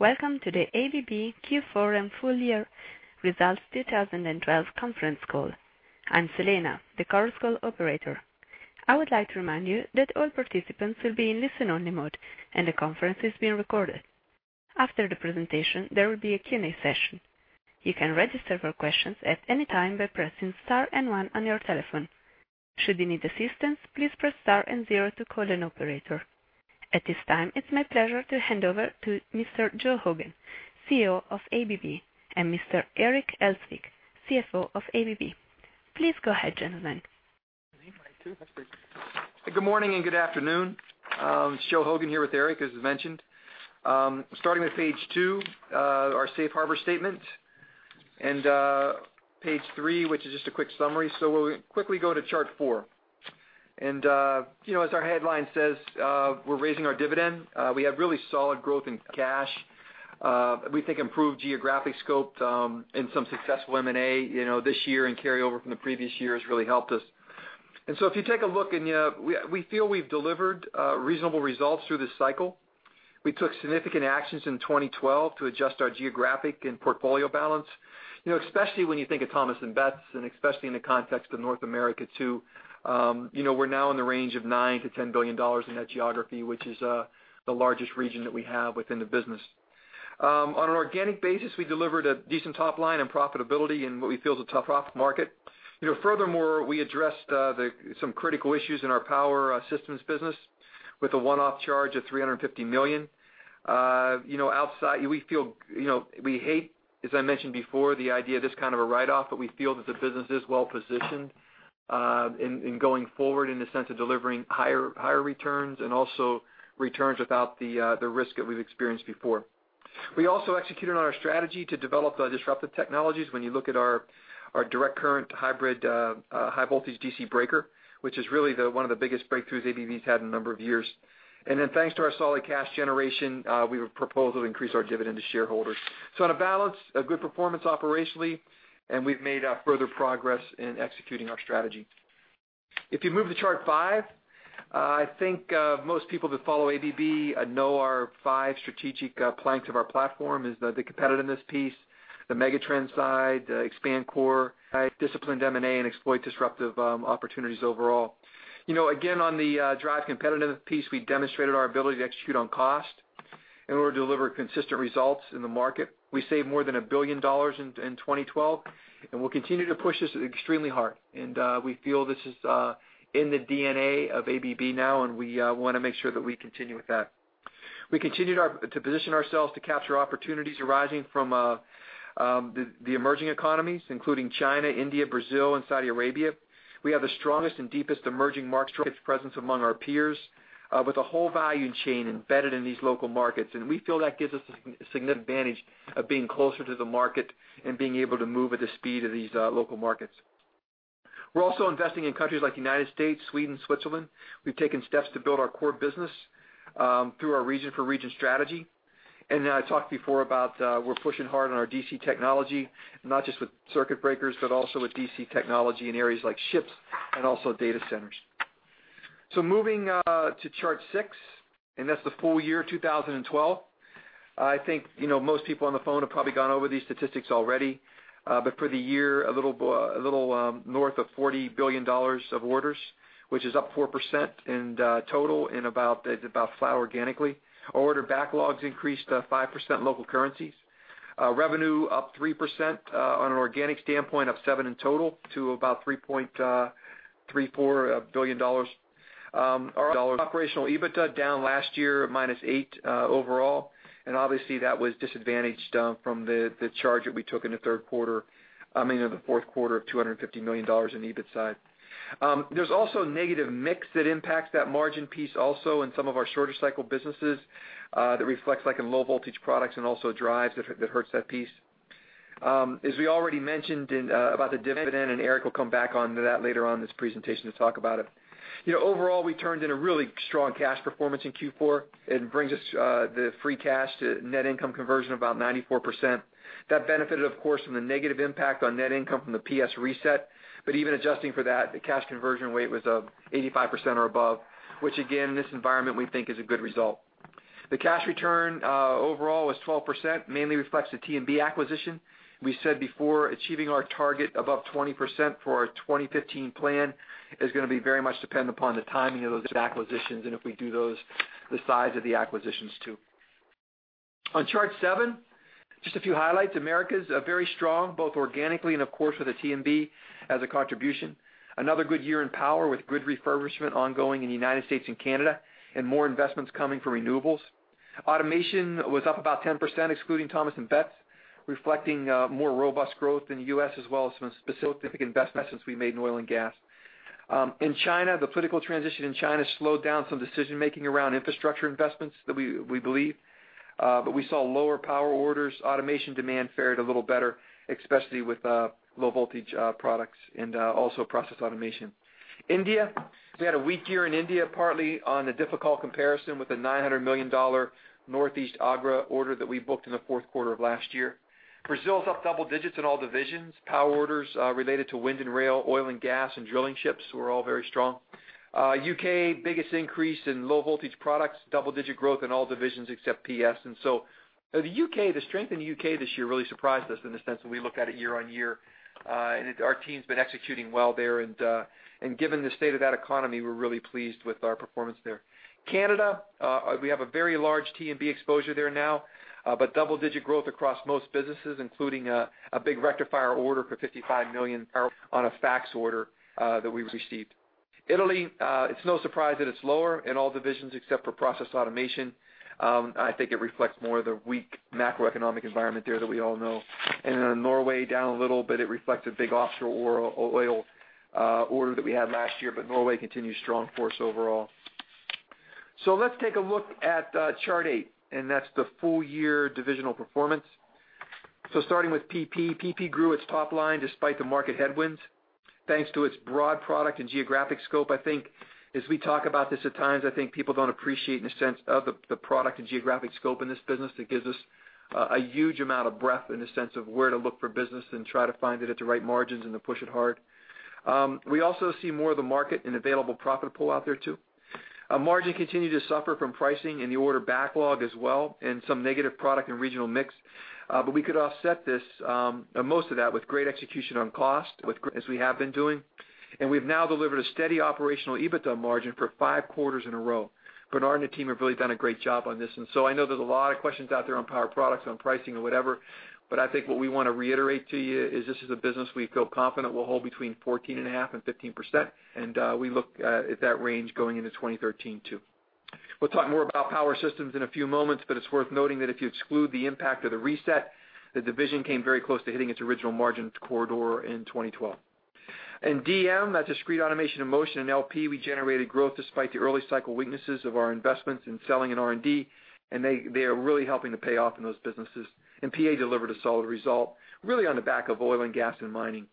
Welcome to the ABB Q4 and full year results 2012 conference call. I'm Selena, the conference call operator. I would like to remind you that all participants will be in listen-only mode, and the conference is being recorded. After the presentation, there will be a Q&A session. You can register for questions at any time by pressing star and one on your telephone. Should you need assistance, please press star and zero to call an operator. At this time, it's my pleasure to hand over to Mr. Joe Hogan, CEO of ABB, and Mr. Eric Elzvik CFO of ABB. Please go ahead, gentlemen. Good morning and good afternoon. It's Joe Hogan here with Eric, as mentioned. Starting with page two, our safe harbor statement, and page three, which is just a quick summary. We'll quickly go to chart four. As our headline says, we're raising our dividend. We have really solid growth in cash. We think improved geographic scope, and some successful M&A this year, and carryover from the previous year has really helped us. If you take a look, we feel we've delivered reasonable results through this cycle. We took significant actions in 2012 to adjust our geographic and portfolio balance. Especially when you think of Thomas & Betts, and especially in the context of North America, too. We're now in the range of $9 billion-$10 billion in that geography, which is the largest region that we have within the business. On an organic basis, we delivered a decent top line and profitability in what we feel is a tough market. Furthermore, we addressed some critical issues in our Power Systems business with a one-off charge of $350 million. We hate, as I mentioned before, the idea of this kind of a write-off, but we feel that the business is well-positioned, in going forward in the sense of delivering higher returns, and also returns without the risk that we've experienced before. We also executed on our strategy to develop disruptive technologies. When you look at our direct current hybrid high voltage DC breaker, which is really one of the biggest breakthroughs ABB's had in a number of years. Thanks to our solid cash generation, we've proposed to increase our dividend to shareholders. On a balance, a good performance operationally, and we've made further progress in executing our strategy. If you move to chart five, I think most people that follow ABB know our five strategic planks of our platform is the competitiveness piece, the megatrend side, expand core, disciplined M&A, and exploit disruptive opportunities overall. Again, on the drive competitive piece, we demonstrated our ability to execute on cost in order to deliver consistent results in the market. We saved more than $1 billion in 2012, and we'll continue to push this extremely hard. We feel this is in the DNA of ABB now, and we want to make sure that we continue with that. We continued to position ourselves to capture opportunities arising from the emerging economies, including China, India, Brazil, and Saudi Arabia. We have the strongest and deepest emerging market presence among our peers, with a whole value chain embedded in these local markets. We feel that gives us a significant advantage of being closer to the market, and being able to move at the speed of these local markets. We're also investing in countries like the United States, Sweden, Switzerland. We've taken steps to build our core business through our region for region strategy. I talked before about, we're pushing hard on our DC technology, not just with circuit breakers, but also with DC technology in areas like ships and also data centers. Moving to chart six, that's the full year 2012. I think most people on the phone have probably gone over these statistics already. For the year, a little north of $40 billion of orders, which is up 4% in total and about flat organically. Order backlogs increased 5% in local currencies. Revenue up 3%, on an organic standpoint, up seven in total to about $3.34 billion. Our operational EBITDA down last year, minus eight overall. Obviously, that was disadvantaged from the charge that we took in the fourth quarter of $250 million in the EBIT side. There's also a negative mix that impacts that margin piece also in some of our shorter cycle businesses, that reflects in low-voltage products and also drives that hurts that piece. As we already mentioned about the dividend, and Eric will come back onto that later on in this presentation to talk about it. Overall, we turned in a really strong cash performance in Q4. It brings us the free cash to net income conversion about 94%. That benefited, of course, from the negative impact on net income from the PS reset. Even adjusting for that, the cash conversion rate was 85% or above, which again, in this environment we think is a good result. The cash return overall was 12%, mainly reflects the T&B acquisition. We said before, achieving our target of up 20% for our 2015 plan is going to be very much dependent upon the timing of those acquisitions, and if we do those, the size of the acquisitions too. On chart seven, just a few highlights. Americas, very strong, both organically and of course with the T&B as a contribution. Another good year in power with good refurbishment ongoing in the United States and Canada, and more investments coming from renewables. Automation was up about 10%, excluding Thomas & Betts, reflecting more robust growth in the U.S. as well as some specific investments we've made in oil and gas. In China, the political transition in China slowed down some decision-making around infrastructure investments, that we believe. We saw lower power orders. Automation demand fared a little better, especially with low-voltage products and also process automation. India. We had a weak year in India, partly on a difficult comparison with a $900 million North-East Agra order that we booked in the fourth quarter of last year. Brazil is up double digits in all divisions. Power orders related to wind and rail, oil and gas, and drilling ships were all very strong. U.K., biggest increase in low-voltage products, double-digit growth in all divisions except PS. The strength in the U.K. this year really surprised us in the sense that we looked at it year-on-year. Our team's been executing well there, and given the state of that economy, we're really pleased with our performance there. Canada, we have a very large T&B exposure there now, double-digit growth across most businesses, including a big rectifier order for 55 million on a FACTS order that we received. Italy, it's no surprise that it's lower in all divisions except for process automation. I think it reflects more of the weak macroeconomic environment there that we all know. Norway down a little, it reflects a big offshore oil order that we had last year. Norway continues strong for us overall. Let's take a look at chart eight. That's the full year divisional performance. Starting with PP. PP grew its top line despite the market headwinds, thanks to its broad product and geographic scope. I think as we talk about this at times, I think people don't appreciate in a sense of the product and geographic scope in this business that gives us a huge amount of breadth in the sense of where to look for business and try to find it at the right margins and to push it hard. We also see more of the market and available profit pool out there, too. Margin continued to suffer from pricing in the order backlog as well, and some negative product and regional mix. We could offset most of that with great execution on cost as we have been doing. We've now delivered a steady operational EBITDA margin for five quarters in a row. Bernhard and the team have really done a great job on this. I know there's a lot of questions out there on Power Products, on pricing or whatever, but I think what we want to reiterate to you is this is a business we feel confident will hold between 14.5%-15%, and we look at that range going into 2013, too. We'll talk more about Power Systems in a few moments, but it's worth noting that if you exclude the impact of the reset, the division came very close to hitting its original margin corridor in 2012. In DM, that Discrete Automation and Motion, and LP, we generated growth despite the early cycle weaknesses of our investments in selling and R&D. They are really helping to pay off in those businesses. PA delivered a solid result, really on the back of oil and gas and mining.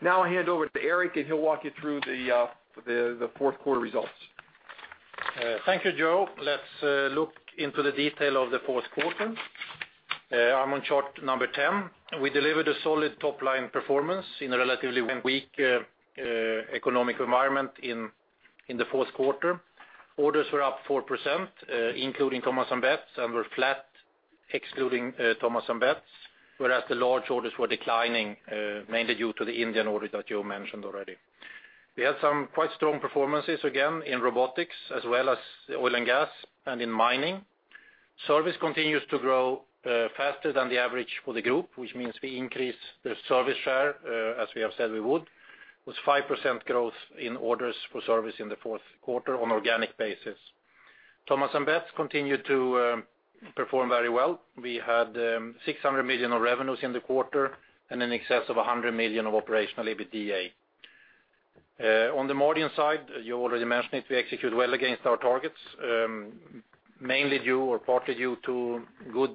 Now I'll hand over to Eric and he'll walk you through the fourth quarter results. Thank you, Joe. Let's look into the detail of the fourth quarter. I'm on chart number 10. We delivered a solid top-line performance in a relatively weak economic environment in the fourth quarter. Orders were up 4%, including Thomas & Betts, and were flat excluding Thomas & Betts, whereas the large orders were declining, mainly due to the Indian order that Joe mentioned already. We had some quite strong performances, again in robotics, as well as oil and gas, and in mining. Service continues to grow faster than the average for the group, which means we increase the service share, as we have said we would, with 5% growth in orders for service in the fourth quarter on organic basis. Thomas & Betts continued to perform very well. We had $600 million of revenues in the quarter and in excess of $100 million of operational EBITDA. On the margin side, you already mentioned it, we execute well against our targets, mainly due or partly due to good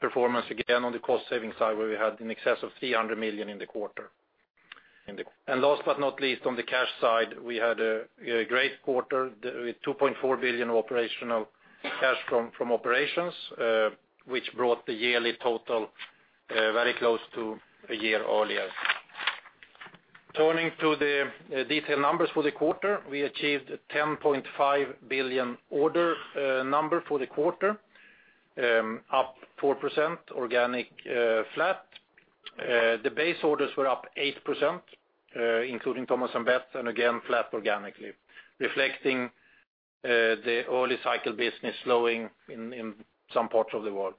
performance again on the cost-saving side, where we had in excess of $300 million in the quarter. Last but not least, on the cash side, we had a great quarter with $2.4 billion operational cash from operations, which brought the yearly total very close to a year earlier. Turning to the detailed numbers for the quarter, we achieved a $10.5 billion order number for the quarter, up 4%, organic flat. The base orders were up 8%, including Thomas & Betts, and again, flat organically, reflecting the early cycle business slowing in some parts of the world.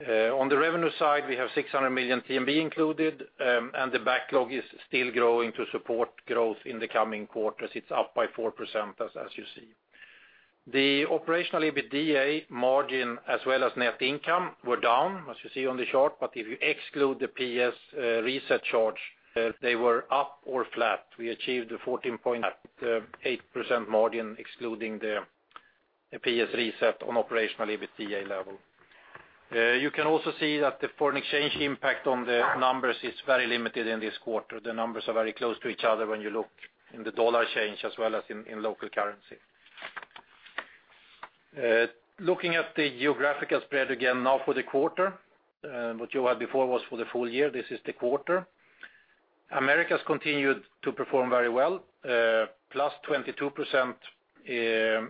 On the revenue side, we have $600 million TMB included, and the backlog is still growing to support growth in the coming quarters. It's up by 4%, as you see. The operational EBITDA margin as well as net income were down, as you see on the chart. If you exclude the PS reset charge, they were up or flat. We achieved a 14.8% margin excluding the PS reset on operational EBITDA level. You can also see that the foreign exchange impact on the numbers is very limited in this quarter. The numbers are very close to each other when you look in the dollar change as well as in local currency. Looking at the geographical spread again now for the quarter. What you had before was for the full year. This is the quarter. Americas continued to perform very well, +22%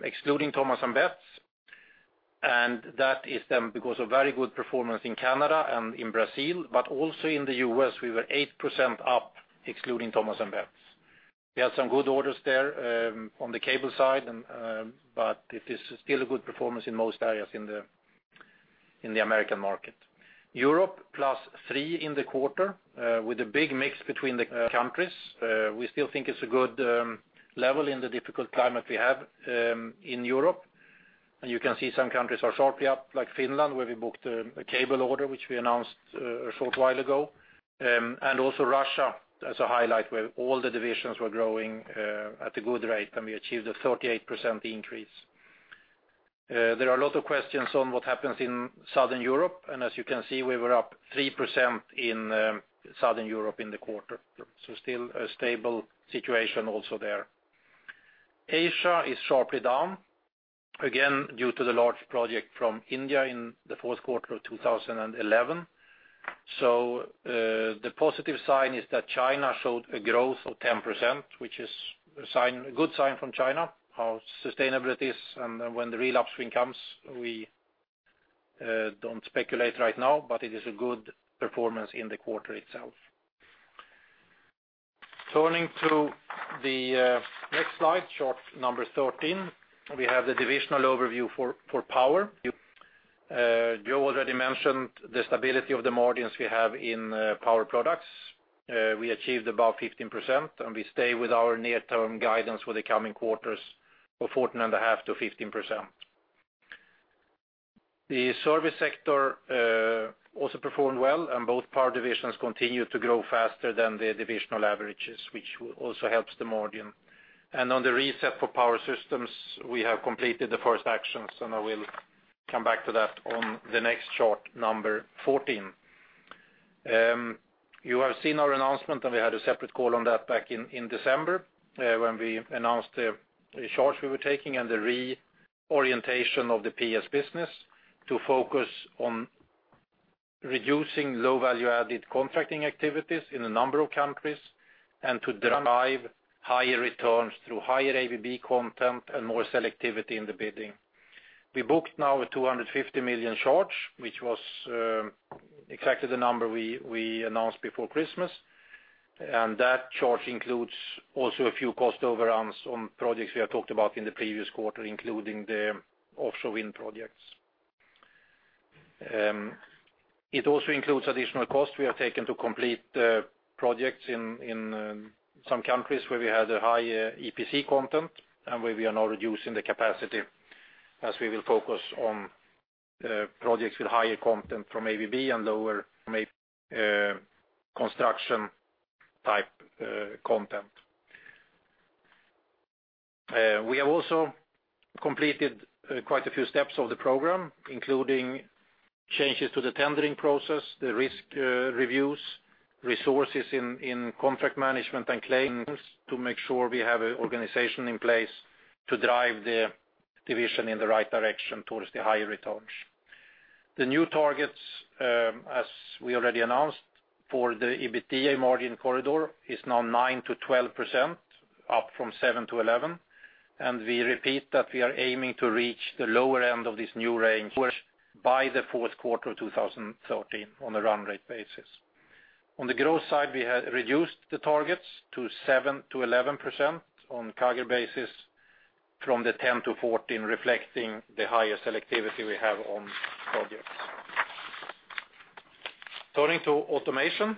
excluding Thomas & Betts, because of very good performance in Canada and in Brazil. Also in the U.S., we were 8% up excluding Thomas & Betts. We had some good orders there on the cable side, it is still a good performance in most areas in the American market. Europe, +3% in the quarter with a big mix between the countries. We still think it's a good level in the difficult climate we have in Europe. You can see some countries are sharply up, like Finland, where we booked a cable order, which we announced a short while ago. Also Russia as a highlight where all the divisions were growing at a good rate, and we achieved a 38% increase. There are a lot of questions on what happens in Southern Europe, and as you can see, we were up 3% in Southern Europe in the quarter. Still a stable situation also there. Asia is sharply down, again, due to the large project from India in the fourth quarter of 2011. The positive sign is that China showed a growth of 10%, which is a good sign from China. How sustainable it is and when the real upswing comes, we don't speculate right now, but it is a good performance in the quarter itself. Turning to the next slide, chart number 13, we have the divisional overview for Power. Joe already mentioned the stability of the margins we have in Power Products. We achieved above 15%, and we stay with our near-term guidance for the coming quarters of 14.5% to 15%. The service sector also performed well, and both Power divisions continue to grow faster than the divisional averages, which also helps the margin. On the reset for Power Systems, we have completed the first actions, and I will come back to that on the next chart, number 14. You have seen our announcement, and we had a separate call on that back in December, when we announced the charge we were taking and the reorientation of the PS business to focus on reducing low-value added contracting activities in a number of countries, and to drive higher returns through higher ABB content and more selectivity in the bidding. We booked now a 250 million charge, which was exactly the number we announced before Christmas. That charge includes also a few cost overruns on projects we have talked about in the previous quarter, including the offshore wind projects. It also includes additional costs we have taken to complete projects in some countries where we had a high EPC content and where we are now reducing the capacity as we will focus on projects with higher content from ABB and lower construction-type content. We have also completed quite a few steps of the program, including changes to the tendering process, the risk reviews, resources in contract management and claims to make sure we have an organization in place to drive the division in the right direction towards the higher returns. The new targets, as we already announced, for the EBITDA margin corridor is now 9% to 12%, up from 7% to 11%. We repeat that we are aiming to reach the lower end of this new range by the fourth quarter of 2013 on a run-rate basis. On the growth side, we have reduced the targets to 7% to 11% on a CAGR basis from the 10% to 14%, reflecting the higher selectivity we have on projects. Turning to Automation.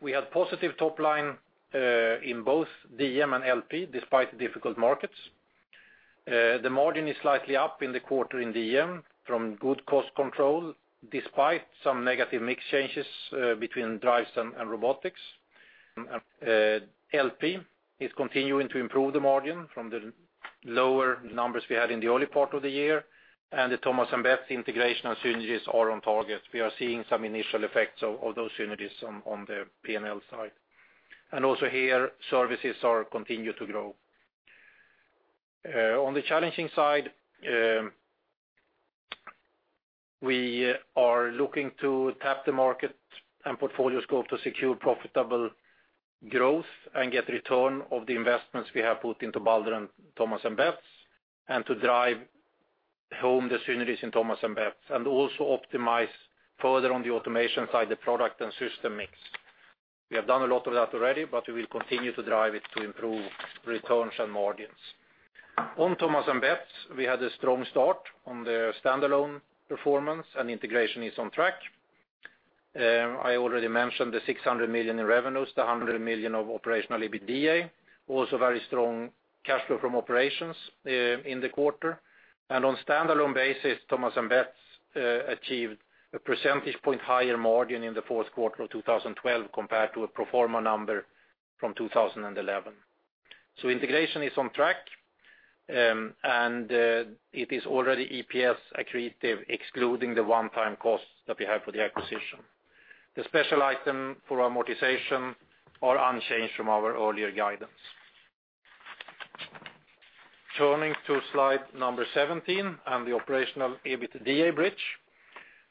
We had positive top line in both DM and LP, despite the difficult markets. The margin is slightly up in the quarter in DM from good cost control, despite some negative mix changes between drives and robotics. LP is continuing to improve the margin from the lower numbers we had in the early part of the year, and the Thomas & Betts integration and synergies are on target. We are seeing some initial effects of those synergies on the P&L side. Also here, services continue to grow. On the challenging side, we are looking to tap the market and portfolio scope to secure profitable growth and get return of the investments we have put into Baldor and Thomas & Betts, and to drive home the synergies in Thomas & Betts, and also optimize further on the Automation side, the product and system mix. We have done a lot of that already. We will continue to drive it to improve returns and margins. On Thomas & Betts, we had a strong start on the standalone performance. Integration is on track. I already mentioned the 600 million in revenues, the 100 million of operational EBITDA, also very strong cash flow from operations in the quarter. On a standalone basis, Thomas & Betts achieved a percentage point higher margin in the fourth quarter of 2012 compared to a pro forma number from 2011. Integration is on track, and it is already EPS accretive, excluding the one-time costs that we have for the acquisition. The special item for amortization are unchanged from our earlier guidance. Turning to slide number 17 and the operational EBITDA bridge.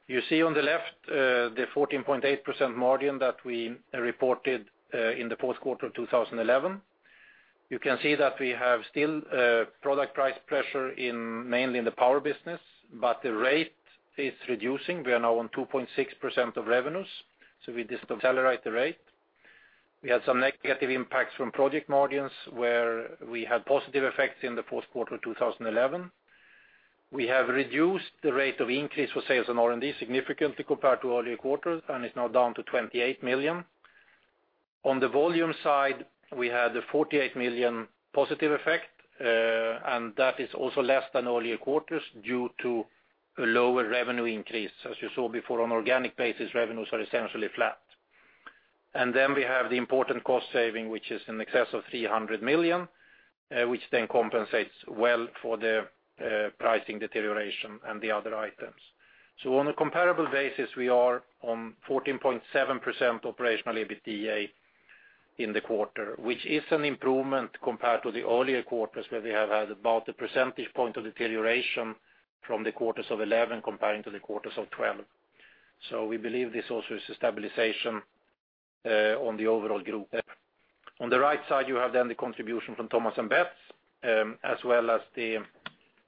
You see on the left the 14.8% margin that we reported in the fourth quarter of 2011. You can see that we have still product price pressure mainly in the power business, but the rate is reducing. We are now on 2.6% of revenues. We decelerate the rate. We had some negative impacts from project margins where we had positive effects in the fourth quarter of 2011. We have reduced the rate of increase for sales and R&D significantly compared to earlier quarters, and it's now down to 28 million. On the volume side, we had a 48 million positive effect, and that is also less than earlier quarters due to a lower revenue increase. As you saw before, on an organic basis, revenues are essentially flat. We have the important cost saving, which is in excess of 300 million, which then compensates well for the pricing deterioration and the other items. On a comparable basis, we are on 14.7% operational EBITDA in the quarter, which is an improvement compared to the earlier quarters where we have had about a percentage point of deterioration from the quarters of 2011 comparing to the quarters of 2012. We believe this also is a stabilization on the overall group. On the right side you have then the contribution from Thomas & Betts, as well as the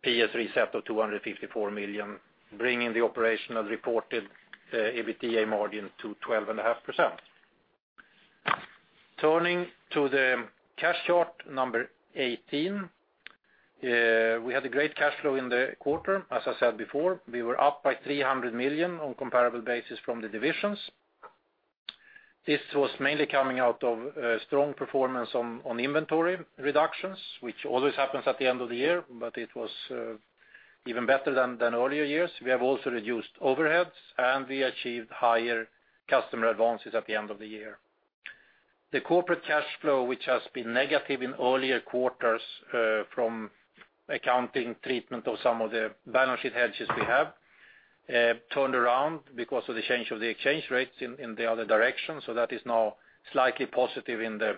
PS reset of 254 million, bringing the operational reported EBITDA margin to 12.5%. Turning to the cash chart, number 18. We had a great cash flow in the quarter. As I said before, we were up by 300 million on comparable basis from the divisions. This was mainly coming out of strong performance on inventory reductions, which always happens at the end of the year, but it was even better than earlier years. We have also reduced overheads. We achieved higher customer advances at the end of the year. The corporate cash flow, which has been negative in earlier quarters from accounting treatment of some of the balance sheet hedges we have, turned around because of the change of the exchange rates in the other direction. That is now slightly positive in the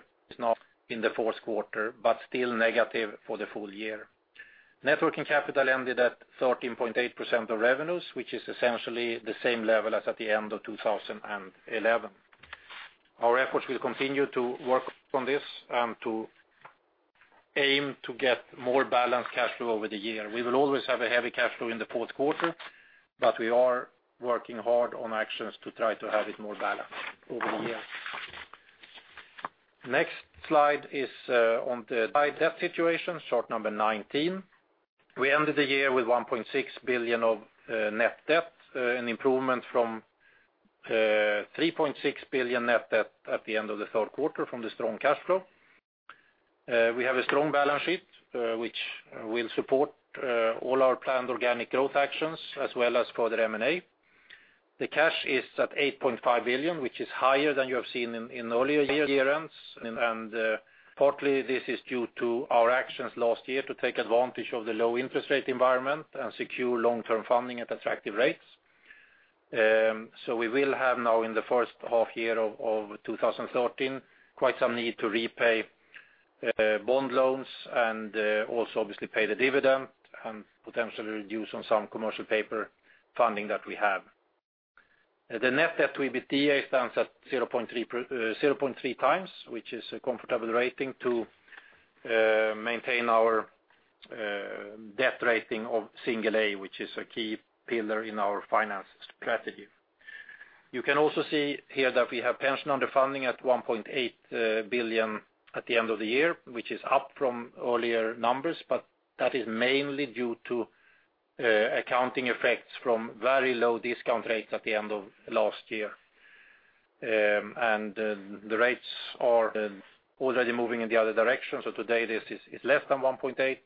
fourth quarter, but still negative for the full year. Net working capital ended at 13.8% of revenues, which is essentially the same level as at the end of 2011. Our efforts will continue to work on this, to aim to get more balanced cash flow over the year. We will always have a heavy cash flow in the fourth quarter, but we are working hard on actions to try to have it more balanced over the year. Next slide is on the debt situation, chart number 19. We ended the year with 1.6 billion of net debt, an improvement from 3.6 billion net debt at the end of the third quarter from the strong cash flow. We have a strong balance sheet, which will support all our planned organic growth actions as well as further M&A. The cash is at 8.5 billion, which is higher than you have seen in earlier years. Partly, this is due to our actions last year to take advantage of the low interest rate environment and secure long-term funding at attractive rates. We will have now in the first half year of 2013, quite some need to repay bond loans and also obviously pay the dividend and potentially reduce on some commercial paper funding that we have. The net debt to EBITDA stands at 0.3 times, which is a comfortable rating to maintain our debt rating of single A, which is a key pillar in our finance strategy. You can also see here that we have pension underfunding at 1.8 billion at the end of the year, which is up from earlier numbers, but that is mainly due to accounting effects from very low discount rates at the end of last year. The rates are already moving in the other direction. Today this is less than 1.8 billion,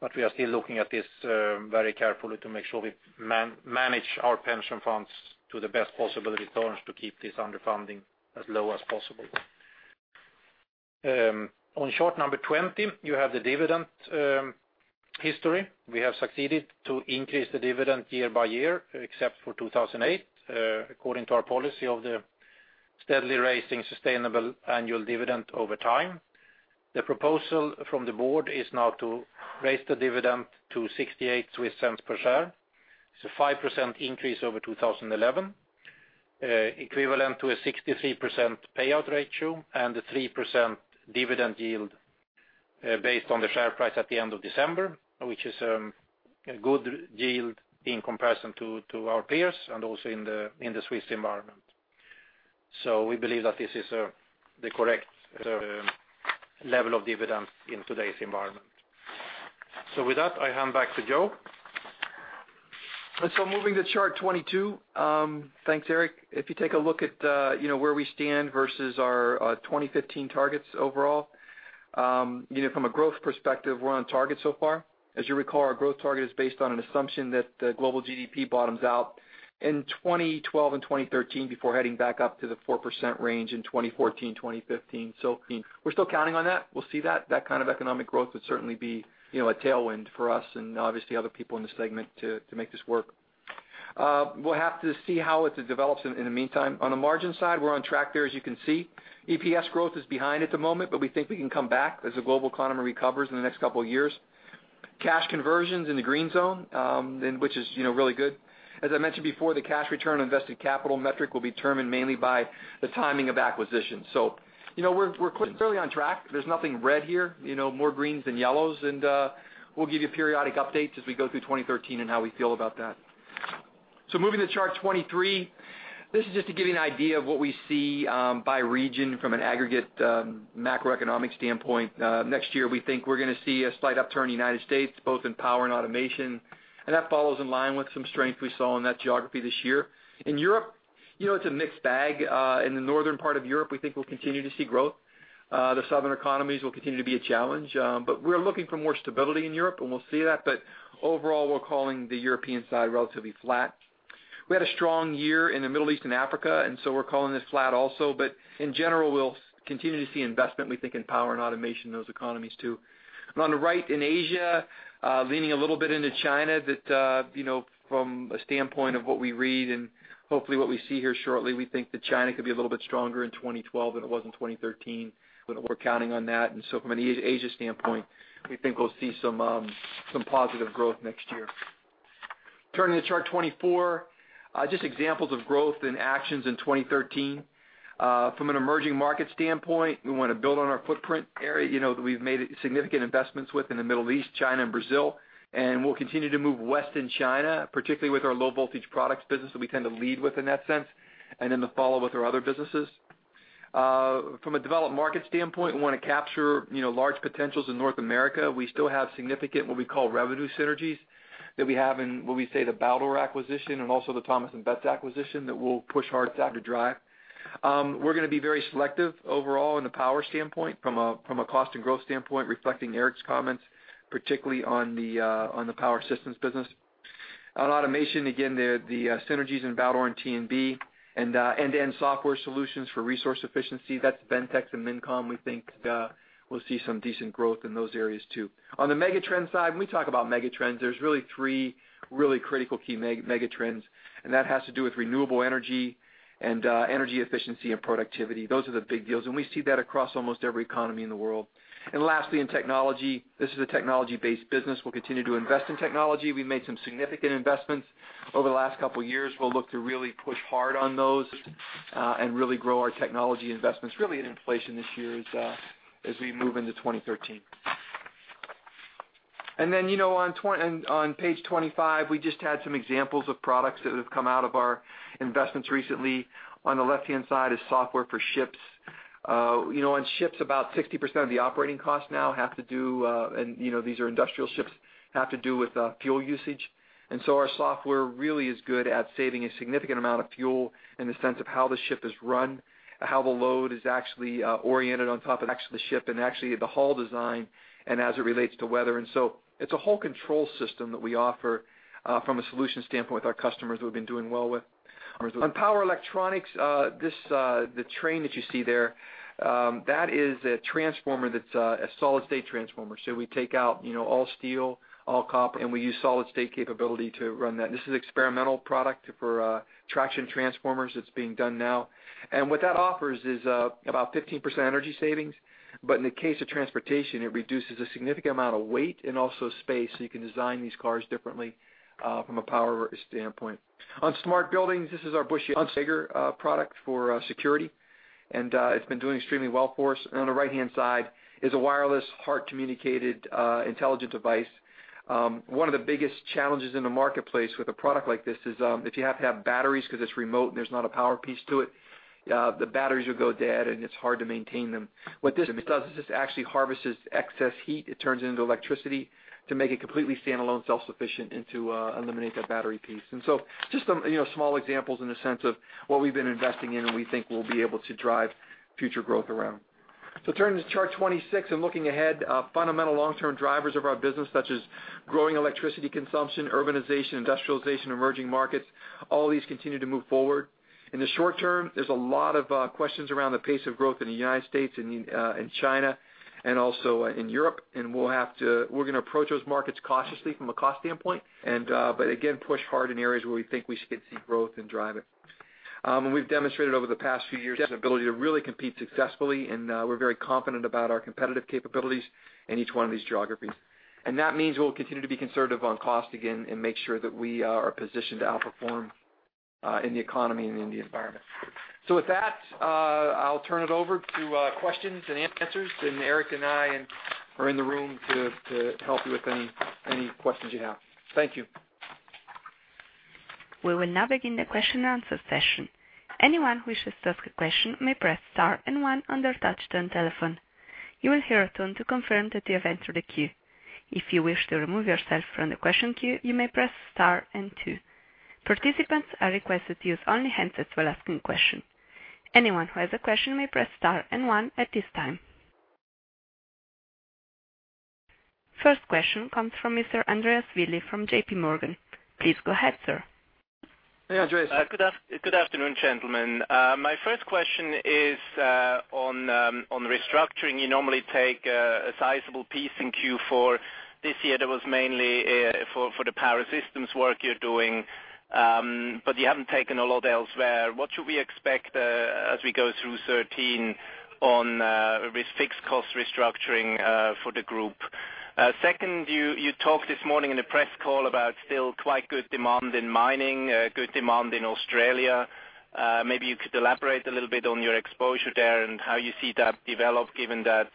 but we are still looking at this very carefully to make sure we manage our pension funds to the best possibility terms to keep this underfunding as low as possible. On chart number 20, you have the dividend history. We have succeeded to increase the dividend year by year except for 2008, according to our policy of the steadily raising sustainable annual dividend over time. The proposal from the board is now to raise the dividend to 0.68 per share. It's a 5% increase over 2011, equivalent to a 63% payout ratio and a 3% dividend yield based on the share price at the end of December, which is a good yield in comparison to our peers and also in the Swiss environment. We believe that this is the correct level of dividends in today's environment. With that, I hand back to Joe. Moving to chart 22. Thanks, Eric. If you take a look at where we stand versus our 2015 targets overall. From a growth perspective, we're on target so far. As you recall, our growth target is based on an assumption that the global GDP bottoms out in 2012 and 2013 before heading back up to the 4% range in 2014, 2015. We're still counting on that. We'll see that kind of economic growth would certainly be a tailwind for us and obviously other people in the segment to make this work. We'll have to see how it develops in the meantime. On the margin side, we're on track there as you can see. EPS growth is behind at the moment, but we think we can come back as the global economy recovers in the next couple of years. Cash conversion's in the green zone, which is really good. As I mentioned before, the cash return on invested capital metric will be determined mainly by the timing of acquisition. We're clearly on track. There's nothing red here, more greens than yellows, and we'll give you periodic updates as we go through 2013 and how we feel about that. Moving to chart 23. This is just to give you an idea of what we see by region from an aggregate macroeconomic standpoint. Next year, we think we're going to see a slight upturn in the U.S., both in power and automation, and that follows in line with some strength we saw in that geography this year. In Europe, it's a mixed bag. In the northern part of Europe, we think we'll continue to see growth. The southern economies will continue to be a challenge. We're looking for more stability in Europe, and we'll see that. Overall, we're calling the European side relatively flat. We had a strong year in the Middle East and Africa, we're calling this flat also. In general, we'll continue to see investment, we think, in power and automation in those economies, too. On the right, in Asia, leaning a little bit into China, that from a standpoint of what we read and hopefully what we see here shortly, we think that China could be a little bit stronger in 2012 than it was in 2013. We're counting on that. From an Asia standpoint, we think we'll see some positive growth next year. Turning to chart 24, just examples of growth in actions in 2013. From an emerging market standpoint, we want to build on our footprint area, that we've made significant investments with in the Middle East, China, and Brazil, and we'll continue to move west in China, particularly with our low-voltage products business that we tend to lead with in that sense, and then follow with our other businesses. From a developed market standpoint, we want to capture large potentials in North America. We still have significant, what we call revenue synergies that we have in, what we say, the Baldor acquisition and also the Thomas & Betts acquisition that we'll push hard to drive. We're going to be very selective overall in the power standpoint from a cost and growth standpoint, reflecting Eric's comments, particularly on the Power Systems business. On automation, again, the synergies in Baldor and T&B and end-to-end software solutions for resource efficiency, that's Ventyx and Mincom. We think we'll see some decent growth in those areas, too. On the mega trend side, when we talk about mega trends, there's really three really critical key mega trends, and that has to do with renewable energy and energy efficiency and productivity. Those are the big deals, and we see that across almost every economy in the world. Lastly, in technology, this is a technology-based business. We'll continue to invest in technology. We've made some significant investments over the last couple of years. We'll look to really push hard on those, and really grow our technology investments, really at inflation this year as we move into 2013. On page 25, we just had some examples of products that have come out of our investments recently. On the left-hand side is software for ships. On ships, about 60% of the operating costs now have to do, and these are industrial ships, have to do with fuel usage. Our software really is good at saving a significant amount of fuel in the sense of how the ship is run, how the load is actually oriented on top of actually the ship and actually the hull design and as it relates to weather. It's a whole control system that we offer, from a solution standpoint, with our customers that we've been doing well with. On power electronics, the train that you see there, that is a transformer that's a solid-state transformer. We take out all steel, all copper, and we use solid-state capability to run that. This is experimental product for traction transformers that's being done now. What that offers is about 15% energy savings. In the case of transportation, it reduces a significant amount of weight and also space, so you can design these cars differently from a power standpoint. On smart buildings, this is our Busch-Jaeger product for security, and it's been doing extremely well for us. On the right-hand side is a wireless HART communicated intelligent device. One of the biggest challenges in the marketplace with a product like this is, if you have to have batteries because it's remote and there's not a power piece to it, the batteries will go dead, and it's hard to maintain them. What this does is this actually harvests excess heat. It turns it into electricity to make it completely standalone, self-sufficient, and to eliminate that battery piece. Just some small examples in the sense of what we've been investing in, and we think we'll be able to drive future growth around. Turning to chart 26 and looking ahead, fundamental long-term drivers of our business, such as growing electricity consumption, urbanization, industrialization, emerging markets, all these continue to move forward. In the short term, there's a lot of questions around the pace of growth in the United States and China and also in Europe, and we're going to approach those markets cautiously from a cost standpoint, but again, push hard in areas where we think we should see growth and drive it. We've demonstrated over the past few years the ability to really compete successfully, and we're very confident about our competitive capabilities in each one of these geographies. That means we'll continue to be conservative on cost again and make sure that we are positioned to outperform in the economy and in the environment. With that, I'll turn it over to questions and answers, and Eric and I are in the room to help you with any questions you have. Thank you. We will now begin the question and answer session. Anyone who wishes to ask a question may press star 1 on their touchtone telephone. You will hear a tone to confirm that you have entered the queue. If you wish to remove yourself from the question queue, you may press star 2. Participants are requested to use only handsets while asking questions. Anyone who has a question may press star 1 at this time. First question comes from Mr. Andreas Willi from JPMorgan. Please go ahead, sir. Hey, Andreas. Good afternoon, gentlemen. My first question is on restructuring. You normally take a sizable piece in Q4. This year, that was mainly for the Power Systems work you're doing, but you haven't taken a lot elsewhere. What should we expect as we go through 2013 on fixed cost restructuring for the group? Second, you talked this morning in a press call about still quite good demand in mining, good demand in Australia. Maybe you could elaborate a little bit on your exposure there and how you see that develop, given that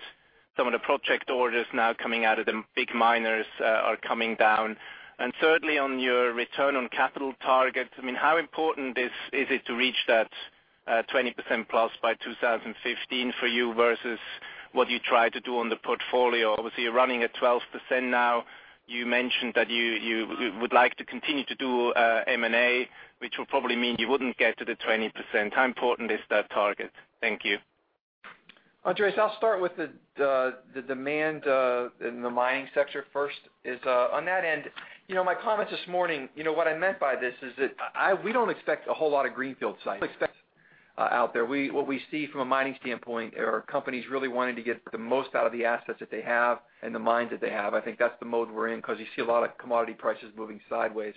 some of the project orders now coming out of the big miners are coming down. Thirdly, on your return on capital targets, how important is it to reach that 20% plus by 2015 for you versus what you try to do on the portfolio? Obviously, you're running at 12% now. You mentioned that you would like to continue to do M&A, which will probably mean you wouldn't get to the 20%. How important is that target? Thank you. Andreas, I will start with the demand in the mining sector first. On that end, my comments this morning, what I meant by this is that we do not expect a whole lot of greenfield sites out there. What we see from a mining standpoint are companies really wanting to get the most out of the assets that they have and the mines that they have. I think that is the mode we are in because you see a lot of commodity prices moving sideways.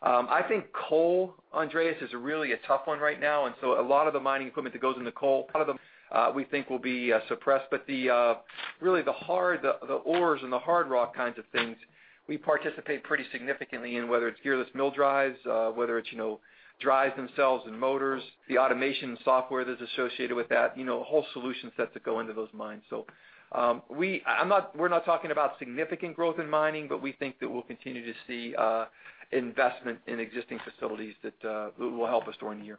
I think coal, Andreas, is really a tough one right now. A lot of the mining equipment that goes into coal, part of them, we think will be suppressed. Really the ores and the hard rock kinds of things, we participate pretty significantly in, whether it is gearless mill drives, whether it is drives themselves and motors, the automation and software that is associated with that, whole solution sets that go into those mines. We are not talking about significant growth in mining, but we think that we will continue to see investment in existing facilities that will help us during the year.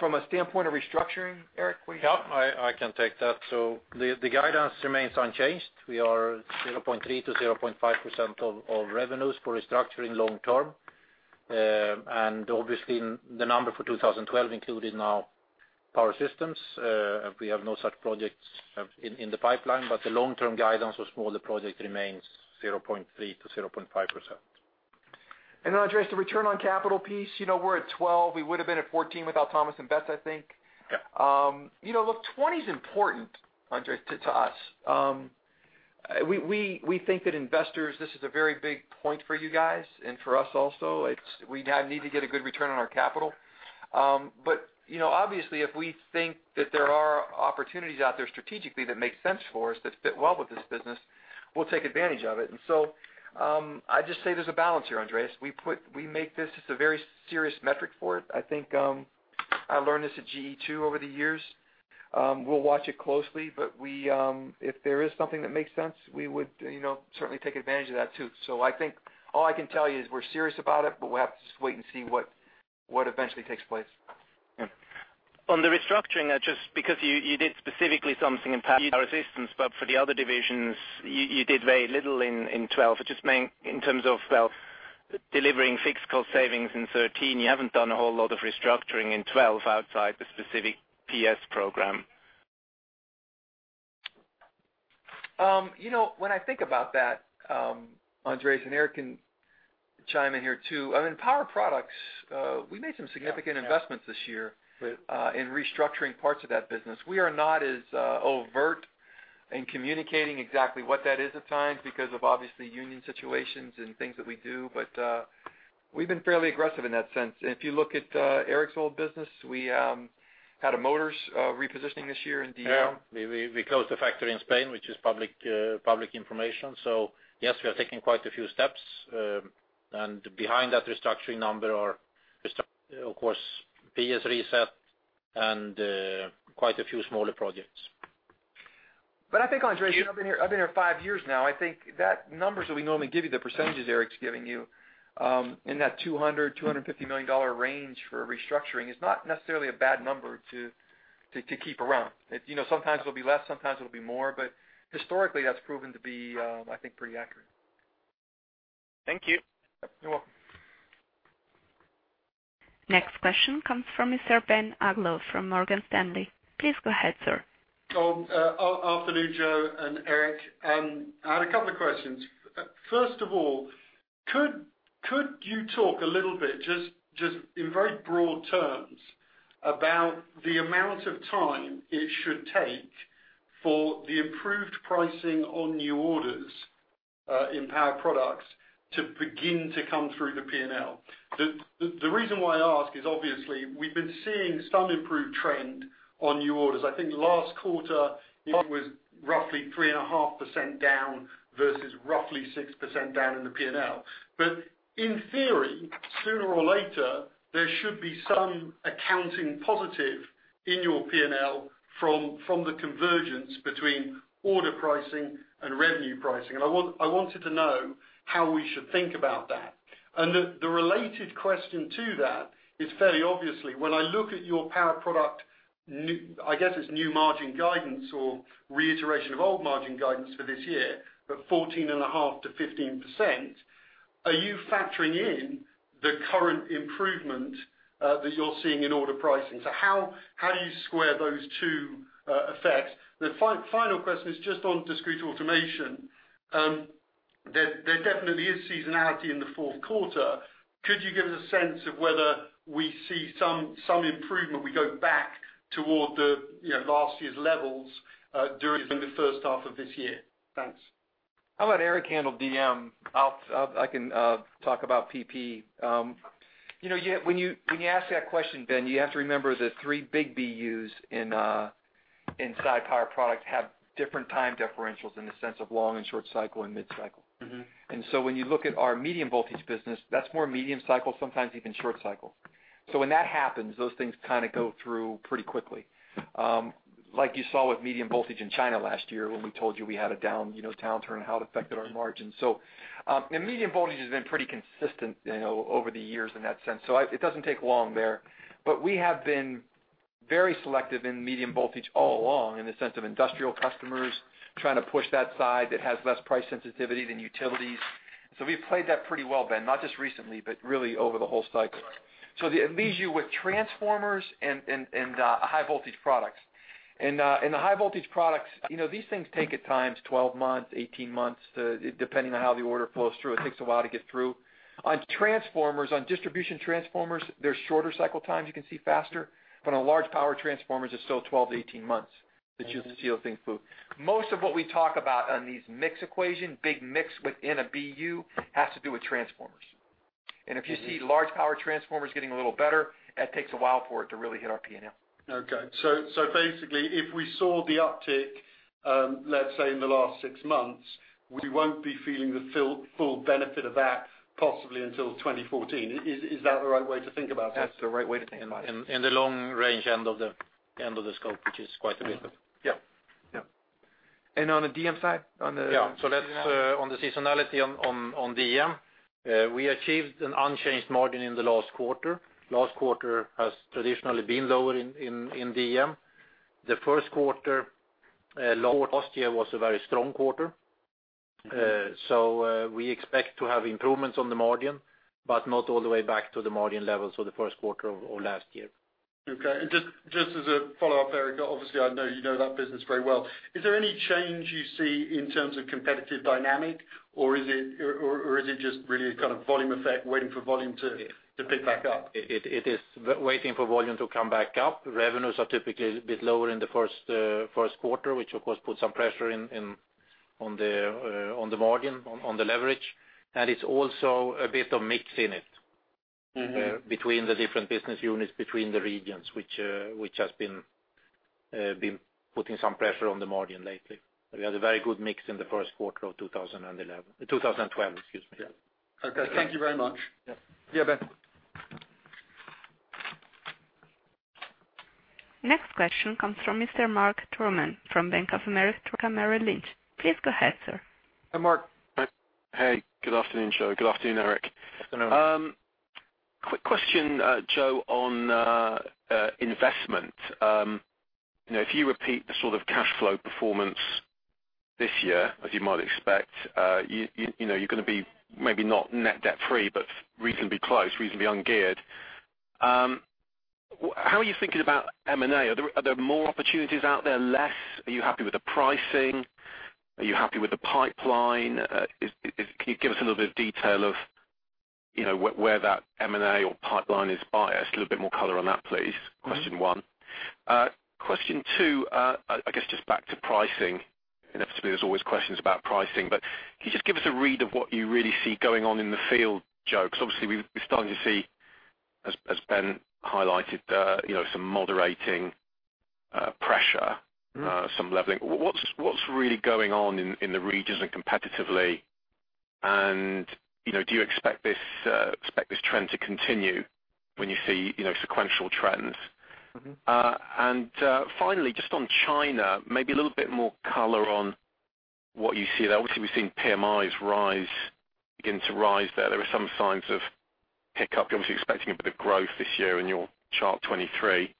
From a standpoint of restructuring, Eric, will you- I can take that. The guidance remains unchanged. We are 0.3%-0.5% of revenues for restructuring long term. Obviously, the number for 2012 included Power Systems. We have no such projects in the pipeline, but the long-term guidance for smaller projects remains 0.3%-0.5%. Andreas, the return on capital piece, we are at 12%. We would have been at 14% without Thomas & Betts, I think. Yeah. 20% is important, Andreas Willi, to us. We think that investors, this is a very big point for you guys and for us also. We need to get a good return on our capital. Obviously, if we think that there are opportunities out there strategically that make sense for us, that fit well with this business, we'll take advantage of it. I'd just say there's a balance here, Andreas Willi. We make this as a very serious metric for it. I think I learned this at GE, too, over the years. We'll watch it closely, but if there is something that makes sense, we would certainly take advantage of that, too. I think all I can tell you is we're serious about it, but we'll have to just wait and see what eventually takes place. Yeah. On the restructuring, just because you did specifically something in Power Systems, but for the other divisions, you did very little in 2012. Just mainly in terms of delivering fixed cost savings in 2013. You haven't done a whole lot of restructuring in 2012 outside the specific PS program. When I think about that, Andreas, and Eric can chime in here, too. In Power Products, we made some significant investments this year- Right in restructuring parts of that business. We are not as overt in communicating exactly what that is at times because of obviously union situations and things that we do. We've been fairly aggressive in that sense. If you look at Eric's old business, we had a motors repositioning this year in DM. Yeah. We closed the factory in Spain, which is public information. Yes, we are taking quite a few steps. Behind that restructuring number are, of course, PS reset and quite a few smaller projects. I think, Andreas, I've been here five years now. I think that numbers that we normally give you, the percentages Eric's giving you, in that 200 million, CHF 250 million range for restructuring is not necessarily a bad number to keep around. Sometimes it'll be less, sometimes it'll be more, historically, that's proven to be, I think, pretty accurate. Thank you. You're welcome. Next question comes from Mr. Ben Uglow from Morgan Stanley. Please go ahead, sir. Afternoon, Joe and Eric. I had a couple of questions. First of all, could you talk a little bit, just in very broad terms, about the amount of time it should take for the improved pricing on new orders in Power Products to begin to come through the P&L? The reason why I ask is obviously we've been seeing some improved trend on new orders. I think last quarter it was roughly 3.5% down versus roughly 6% down in the P&L. In theory, sooner or later, there should be some accounting positive in your P&L from the convergence between order pricing and revenue pricing. I wanted to know how we should think about that. The related question to that is fairly obviously, when I look at your Power Products, I guess its new margin guidance or reiteration of old margin guidance for this year, 14.5%-15%, are you factoring in the current improvement that you're seeing in order pricing? How do you square those two effects? The final question is just on Discrete Automation. There definitely is seasonality in the fourth quarter. Could you give us a sense of whether we see some improvement, we go back toward the last year's levels during the first half of this year? Thanks. How about Eric handle DM? I can talk about PP. When you ask that question, Ben, you have to remember the three big BUs inside Power Products have different time differentials in the sense of long and short cycle and mid-cycle. When you look at our medium-voltage business, that's more medium cycle, sometimes even short cycle. When that happens, those things kind of go through pretty quickly. Like you saw with medium voltage in China last year when we told you we had a downturn, and how it affected our margins. Medium voltage has been pretty consistent over the years in that sense. It doesn't take long there, but we have been very selective in medium voltage all along in the sense of industrial customers trying to push that side that has less price sensitivity than utilities. We've played that pretty well, Ben, not just recently, but really over the whole cycle. It leaves you with transformers and high voltage products. The high voltage products, these things take at times 12 months, 18 months, depending on how the order flows through. It takes a while to get through. On transformers, on distribution transformers, there's shorter cycle times. You can see faster, but on large power transformers, it's still 12 to 18 months that you'll see those things move. Most of what we talk about on these mix equation, big mix within a BU, has to do with transformers. If you see large power transformers getting a little better, that takes a while for it to really hit our P&L. Basically, if we saw the uptick, let's say, in the last six months, we won't be feeling the full benefit of that possibly until 2014. Is that the right way to think about this? That's the right way to think about it. In the long range end of the scope, which is quite a bit. Yeah. On the DM side? Yeah. On the seasonality on DM, we achieved an unchanged margin in the last quarter. Last quarter has traditionally been lower in DM. The first quarter last year was a very strong quarter. Okay. We expect to have improvements on the margin, but not all the way back to the margin levels for the first quarter of last year. Okay. Just as a follow-up, Eric, obviously, I know you know that business very well. Is there any change you see in terms of competitive dynamic, or is it just really a kind of volume effect, waiting for volume to pick back up? It is waiting for volume to come back up. Revenues are typically a bit lower in the first quarter, which of course, puts some pressure on the margin, on the leverage. It's also a bit of mix in it. between the different business units, between the regions, which has been putting some pressure on the margin lately. We had a very good mix in the first quarter of 2011, 2012, excuse me. Yeah. Okay. Thank you very much. Yeah. Yeah, Ben. Next question comes from Mr. Mark Troman from Bank of America Merrill Lynch. Please go ahead, sir. Hi, Mark. Hey, good afternoon, Joe. Good afternoon, Eric. Good afternoon. Quick question, Joe, on investment. If you repeat the sort of cash flow performance this year, as you might expect, you're going to be maybe not net debt-free, but reasonably close, reasonably ungeared. How are you thinking about M&A? Are there more opportunities out there, less? Are you happy with the pricing? Are you happy with the pipeline? Can you give us a little bit of detail of where that M&A or pipeline is biased? A little bit more color on that, please. Question one. Question two, I guess just back to pricing. Inevitably, there's always questions about pricing, but can you just give us a read of what you really see going on in the field, Joe? Obviously, we're starting to see, as Ben Uglow highlighted, some moderating pressure, some leveling. What's really going on in the regions and competitively, do you expect this trend to continue when you see sequential trends? Finally, just on China, maybe a little bit more color on what you see there. Obviously, we're seeing PMIs rise, beginning to rise there. There are some signs of pickup. You're obviously expecting a bit of growth this year in your chart 23.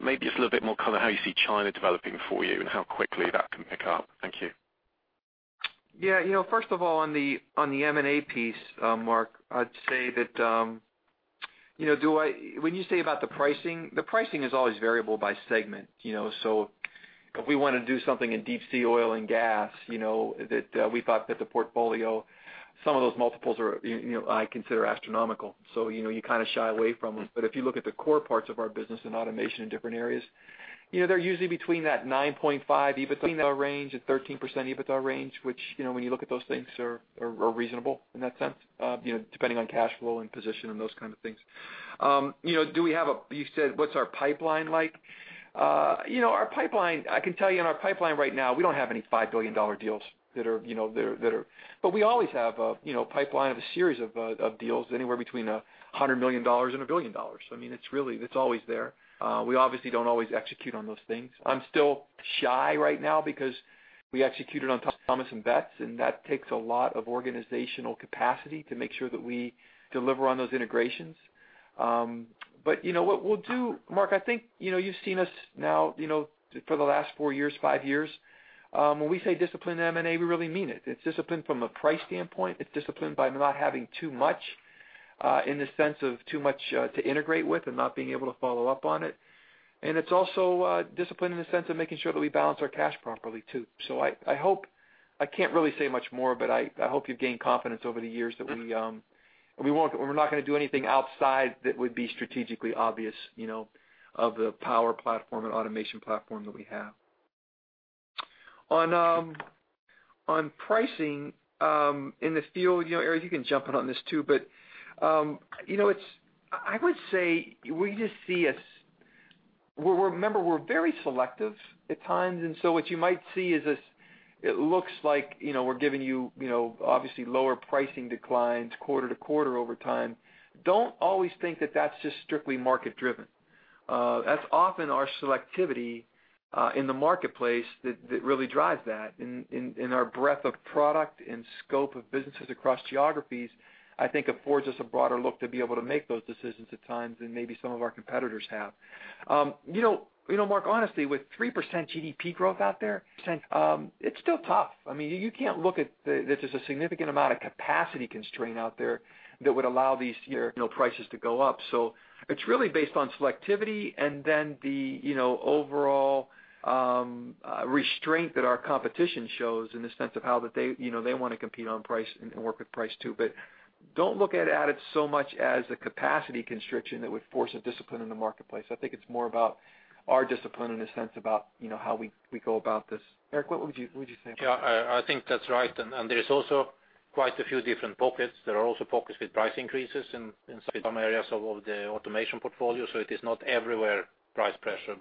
Maybe just a little bit more color how you see China developing for you and how quickly that can pick up. Thank you. Yeah. First of all, on the M&A piece, Mark, I'd say that when you say about the pricing, the pricing is always variable by segment. If we want to do something in deep sea oil and gas, that we thought that the portfolio, some of those multiples I consider astronomical. You kind of shy away from them. If you look at the core parts of our business and automation in different areas, they're usually between that 9.5 EBITDA range and 13% EBITDA range, which, when you look at those things, are reasonable in that sense, depending on cash flow and position and those kind of things. You said, what's our pipeline like? I can tell you in our pipeline right now, we don't have any CHF 5 billion deals. We always have a pipeline of a series of deals anywhere between CHF 100 million and CHF 1 billion. I mean, it's always there. We obviously don't always execute on those things. I'm still shy right now because we executed on Thomas & Betts, and that takes a lot of organizational capacity to make sure that we deliver on those integrations. What we'll do, Mark, I think you've seen us now for the last four years, five years. When we say disciplined M&A, we really mean it. It's disciplined from a price standpoint. It's disciplined by not having too much in the sense of too much to integrate with and not being able to follow up on it. It's also disciplined in the sense of making sure that we balance our cash properly, too. I can't really say much more. I hope you've gained confidence over the years that we're not going to do anything outside that would be strategically obvious of the power platform and automation platform that we have. On pricing, in the field, Eric, you can jump in on this, too. I would say, remember, we're very selective at times, and what you might see is it looks like we're giving you obviously lower pricing declines quarter-to-quarter over time. Don't always think that that's just strictly market-driven. That's often our selectivity in the marketplace that really drives that in our breadth of product and scope of businesses across geographies, I think affords us a broader look to be able to make those decisions at times than maybe some of our competitors have. Mark, honestly, with 3% GDP growth out there, it's still tough. There's a significant amount of capacity constraint out there that would allow these prices to go up. It's really based on selectivity and then the overall restraint that our competition shows in the sense of how they want to compete on price and work with price too. Don't look at it so much as a capacity constriction that would force a discipline in the marketplace. I think it's more about our discipline in the sense about how we go about this. Eric, what would you say? I think that's right. There's also quite a few different pockets. There are also pockets with price increases inside some areas of the automation portfolio, so it is not everywhere price pressure.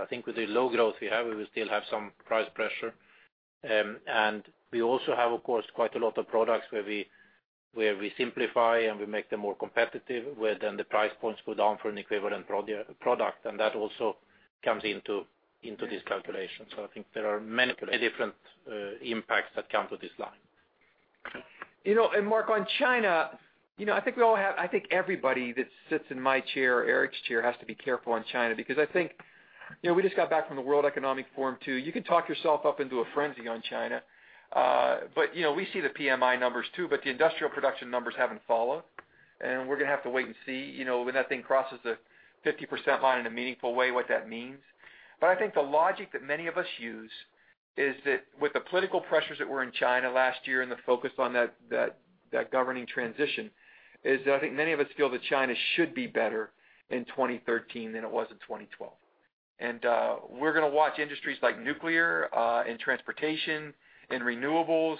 I think with the low growth we have, we will still have some price pressure. We also have, of course, quite a lot of products where we simplify and we make them more competitive, where then the price points go down for an equivalent product, and that also comes into this calculation. I think there are many different impacts that come to this line. Mark, on China, I think everybody that sits in my chair or Eric's chair has to be careful on China because I think we just got back from the World Economic Forum too. You could talk yourself up into a frenzy on China. We see the PMI numbers too, but the industrial production numbers haven't followed, and we're going to have to wait and see when that thing crosses the 50% line in a meaningful way, what that means. I think the logic that many of us use is that with the political pressures that were in China last year and the focus on that governing transition is that I think many of us feel that China should be better in 2013 than it was in 2012. We're going to watch industries like nuclear and transportation and renewables.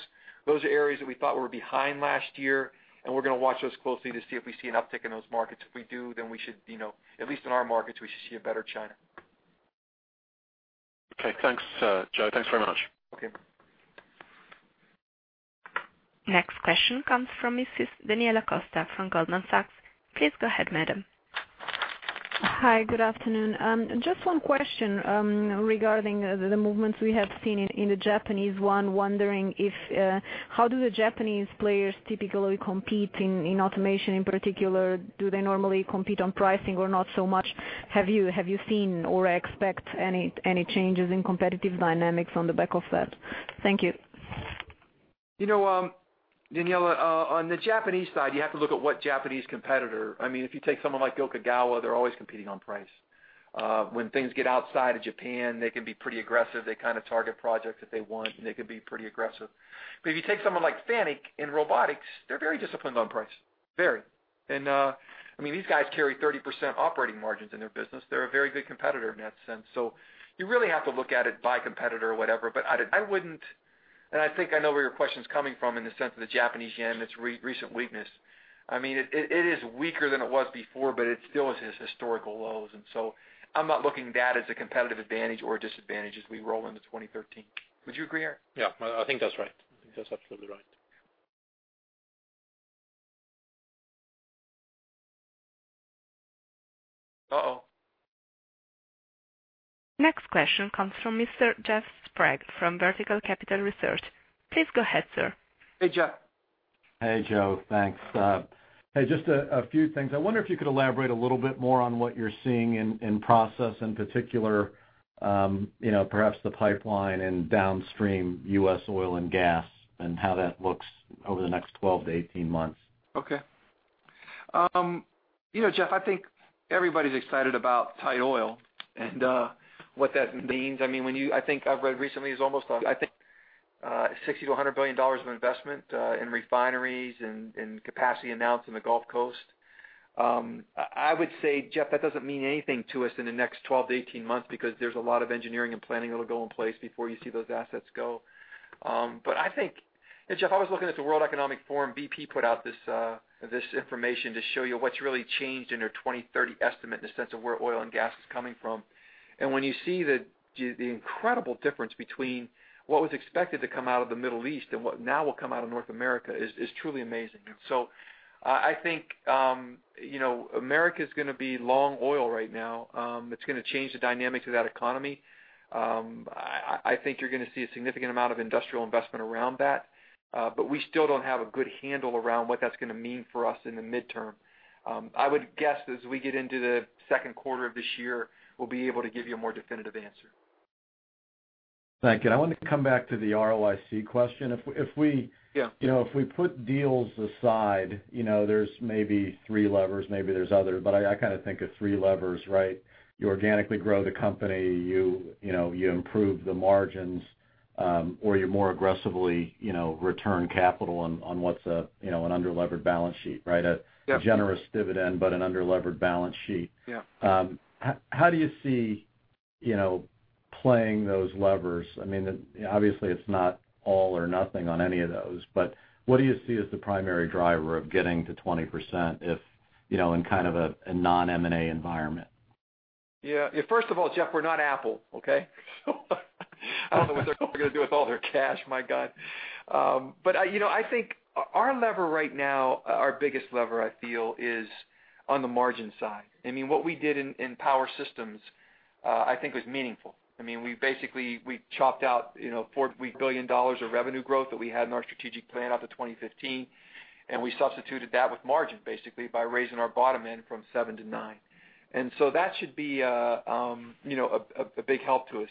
Those are areas that we thought were behind last year. We're going to watch those closely to see if we see an uptick in those markets. If we do, at least in our markets, we should see a better China. Okay. Thanks, Joe. Thanks very much. Okay. Next question comes from Daniela Costa from Goldman Sachs. Please go ahead, madam. Hi, good afternoon. Just one question regarding the movements we have seen in the Japanese yen, wondering how do the Japanese players typically compete in automation? In particular, do they normally compete on pricing or not so much? Have you seen or expect any changes in competitive dynamics on the back of that? Thank you. Daniela, on the Japanese side, you have to look at what Japanese competitor. If you take someone like Yokogawa, they're always competing on price. When things get outside of Japan, they can be pretty aggressive. They target projects that they want, and they can be pretty aggressive. If you take someone like Fanuc in robotics, they're very disciplined on price. Very. These guys carry 30% operating margins in their business. They're a very good competitor in that sense. You really have to look at it by competitor or whatever, but I wouldn't, and I think I know where your question's coming from in the sense of the Japanese yen, its recent weakness. It is weaker than it was before, but it still is at historical lows. I'm not looking at that as a competitive advantage or a disadvantage as we roll into 2013. Would you agree, Eric? Yeah, I think that's right. I think that's absolutely right. Uh-oh. Next question comes from Mr. Jeffrey Sprague from Vertical Research Partners. Please go ahead, sir. Hey, Jeff. Hey, Joe. Thanks. Hey, just a few things. I wonder if you could elaborate a little bit more on what you're seeing in process, in particular, perhaps the pipeline and downstream U.S. oil and gas and how that looks over the next 12 to 18 months. Okay. Jeff, I think everybody's excited about tight oil and what that means. I've read recently it's almost 60 billion to CHF 100 billion of investment in refineries and capacity announced in the Gulf Coast. I would say, Jeff, that doesn't mean anything to us in the next 12 to 18 months because there's a lot of engineering and planning that'll go in place before you see those assets go. I think, and Jeff, I was looking at the World Economic Forum, BP put out this information to show you what's really changed in their 2030 estimate in the sense of where oil and gas is coming from. When you see the incredible difference between what was expected to come out of the Middle East and what now will come out of North America is truly amazing. I think, America's going to be long oil right now. It's going to change the dynamics of that economy. I think you're going to see a significant amount of industrial investment around that. We still don't have a good handle around what that's going to mean for us in the midterm. I would guess as we get into the second quarter of this year, we'll be able to give you a more definitive answer. Thank you. I wanted to come back to the ROIC question. Yeah If we put deals aside, there's maybe three levers, maybe there's others, but I think of three levers, right? You organically grow the company, you improve the margins, or you more aggressively return capital on what's an under-levered balance sheet, right? Yeah. A generous dividend, an under-levered balance sheet. Yeah. How do you see playing those levers? Obviously, it's not all or nothing on any of those, but what do you see as the primary driver of getting to 20% in kind of a non-M&A environment? First of all, Jeff, we're not Apple, okay? I don't know what they're going to do with all their cash, my God. I think our biggest lever right now, I feel, is on the margin side. What we did in Power Systems, I think was meaningful. We basically chopped out CHF 4 billion of revenue growth that we had in our strategic plan out to 2015, we substituted that with margin, basically by raising our bottom end from seven to nine. That should be a big help to us.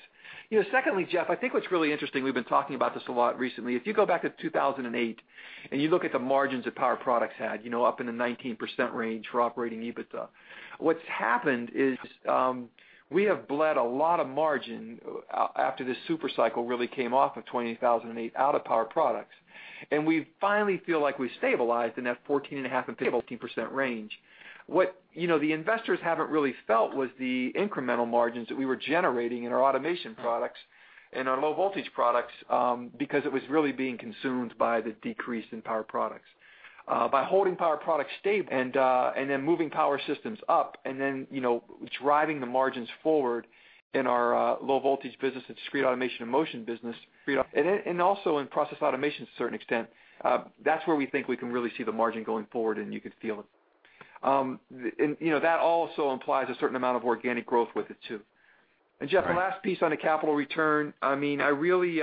Secondly, Jeff, I think what's really interesting, we've been talking about this a lot recently. If you go back to 2008, you look at the margins that Power Products had, up in the 19% range for operating EBITDA. What's happened is, we have bled a lot of margin after this super cycle really came off of 2008 out of Power Products. We finally feel like we've stabilized in that 14.5%-15% range. What the investors haven't really felt was the incremental margins that we were generating in our automation products and our low-voltage products, because it was really being consumed by the decrease in Power Products. By holding Power Products stable and then moving Power Systems up and then driving the margins forward in our low-voltage business and Discrete Automation and Motion business, and also in process automation to a certain extent, that's where we think we can really see the margin going forward and you can feel it. That also implies a certain amount of organic growth with it, too. Right. Jeff, the last piece on the capital return, I really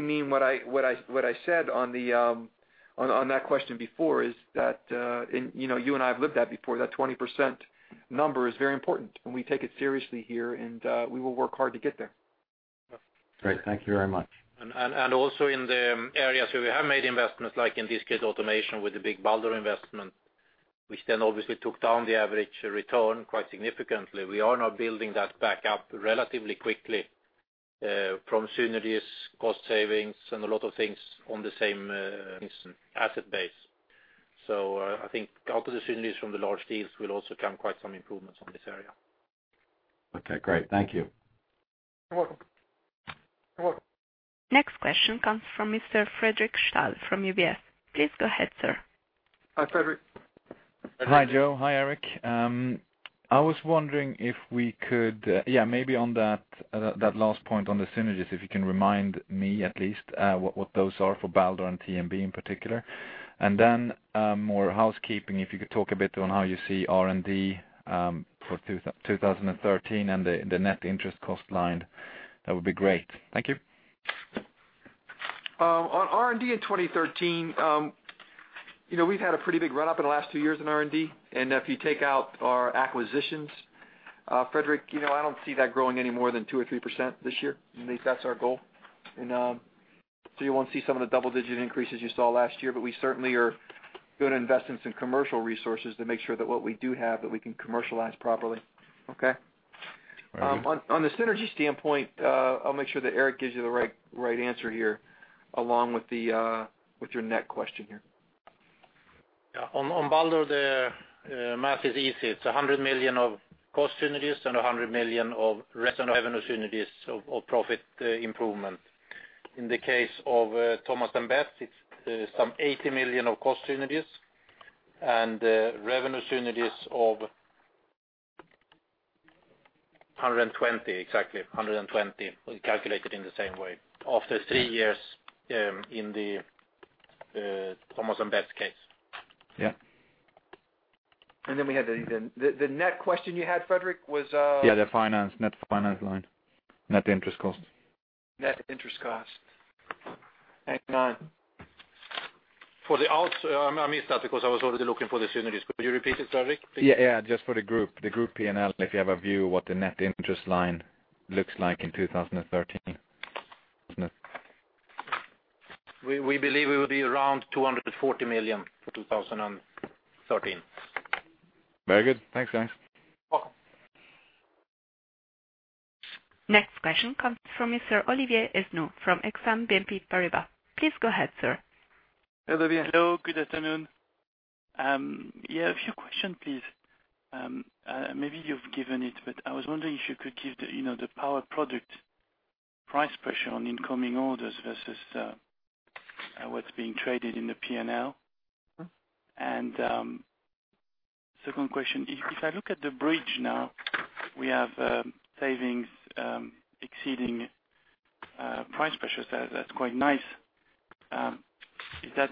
mean what I said on that question before, is that. You and I have lived that before. That 20% number is very important. We take it seriously here. We will work hard to get there. Great. Thank you very much. Also in the areas where we have made investments, like in this case, automation with the big Baldor investment, which obviously took down the average return quite significantly. We are now building that back up relatively quickly from synergies, cost savings, and a lot of things on the same asset base. I think out of the synergies from the large deals will also come quite some improvements on this area. Okay, great. Thank you. You're welcome. Next question comes from Mr. Fredric Stahl from UBS. Please go ahead, sir. Hi, Fredric. Frederic. Hi, Joe. Hi, Eric. I was wondering if we could, maybe on that last point on the synergies, if you can remind me at least, what those are for Baldor and T&B in particular. Then, more housekeeping, if you could talk a bit on how you see R&D for 2013 and the net interest cost line, that would be great. Thank you. On R&D in 2013, we've had a pretty big run up in the last two years in R&D. If you take out our acquisitions, Fredric, I don't see that growing any more than 2% or 3% this year. At least that's our goal. You won't see some of the double-digit increases you saw last year, we certainly are going to invest in some commercial resources to make sure that what we do have, that we can commercialize properly. Okay? Very good. On the synergy standpoint, I'll make sure that Eric gives you the right answer here, along with your net question here. Yeah. On Baldor, the math is easy. It's 100 million of cost synergies and 100 million of revenue synergies of profit improvement. In the case of Thomas & Betts, it's some 80 million of cost synergies and revenue synergies of 120 exactly. 120 calculated in the same way after three years in the Thomas & Betts case. Yeah. We had the net question you had, Frederic. The net finance line, net interest cost. Net interest cost. Hang on. I missed that because I was already looking for the synergies. Could you repeat it, Frederic, please? Yeah, just for the group P&L, if you have a view what the net interest line looks like in 2013. We believe it will be around 240 million for 2013. Very good. Thanks, guys. You're welcome. Next question comes from Mr. Olivier Esnou from Exane BNP Paribas. Please go ahead, sir. Hi, Olivier. Hello, good afternoon. A few question, please. Maybe you've given it, but I was wondering if you could give the Power Products price pressure on incoming orders versus what's being traded in the P&L. Second question, if I look at the bridge now, we have savings exceeding price pressures. That's quite nice. Is that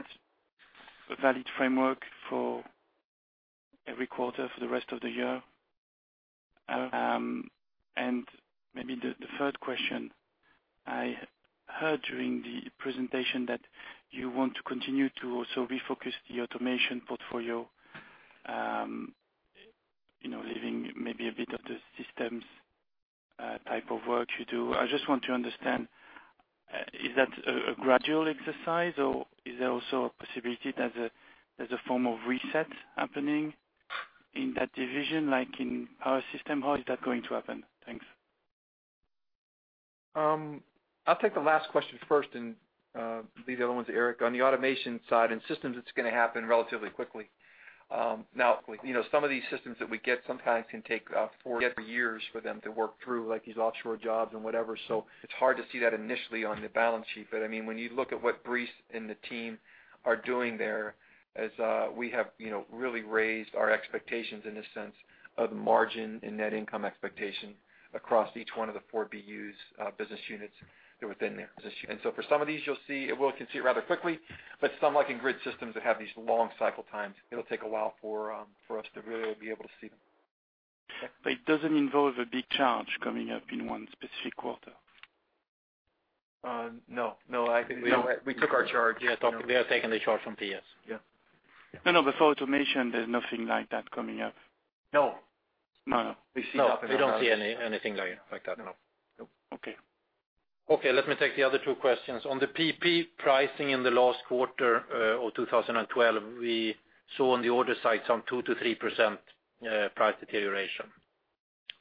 a valid framework for every quarter for the rest of the year? Maybe the third question, I heard during the presentation that you want to continue to also refocus the automation portfolio, leaving maybe a bit of the systems type of work you do. I just want to understand, is that a gradual exercise, or is there also a possibility there's a form of reset happening in that division, like in Power Systems? How is that going to happen? Thanks. I'll take the last question first and leave the other ones to Eric. On the automation side, in Systems it's going to happen relatively quickly. Some of these systems that we get sometimes can take four to five years for them to work through, like these offshore jobs and whatever. It's hard to see that initially on the balance sheet. When you look at what Brice Koch and the team are doing there as we have really raised our expectations in the sense of margin and net income expectation across each one of the 4 BUs, business units, that are within there. For some of these, we can see it rather quickly, but some, like in Grid Systems that have these long cycle times, it'll take a while for us to really be able to see them. It doesn't involve a big charge coming up in one specific quarter? No, I think we took our charge. Yes, we have taken the charge from PS. Yeah. No, but for automation, there's nothing like that coming up. No. No. We don't see anything like that, no. Okay. Okay. Let me take the other two questions. On the PP pricing in the last quarter of 2012, we saw on the order side some 2%-3% price deterioration.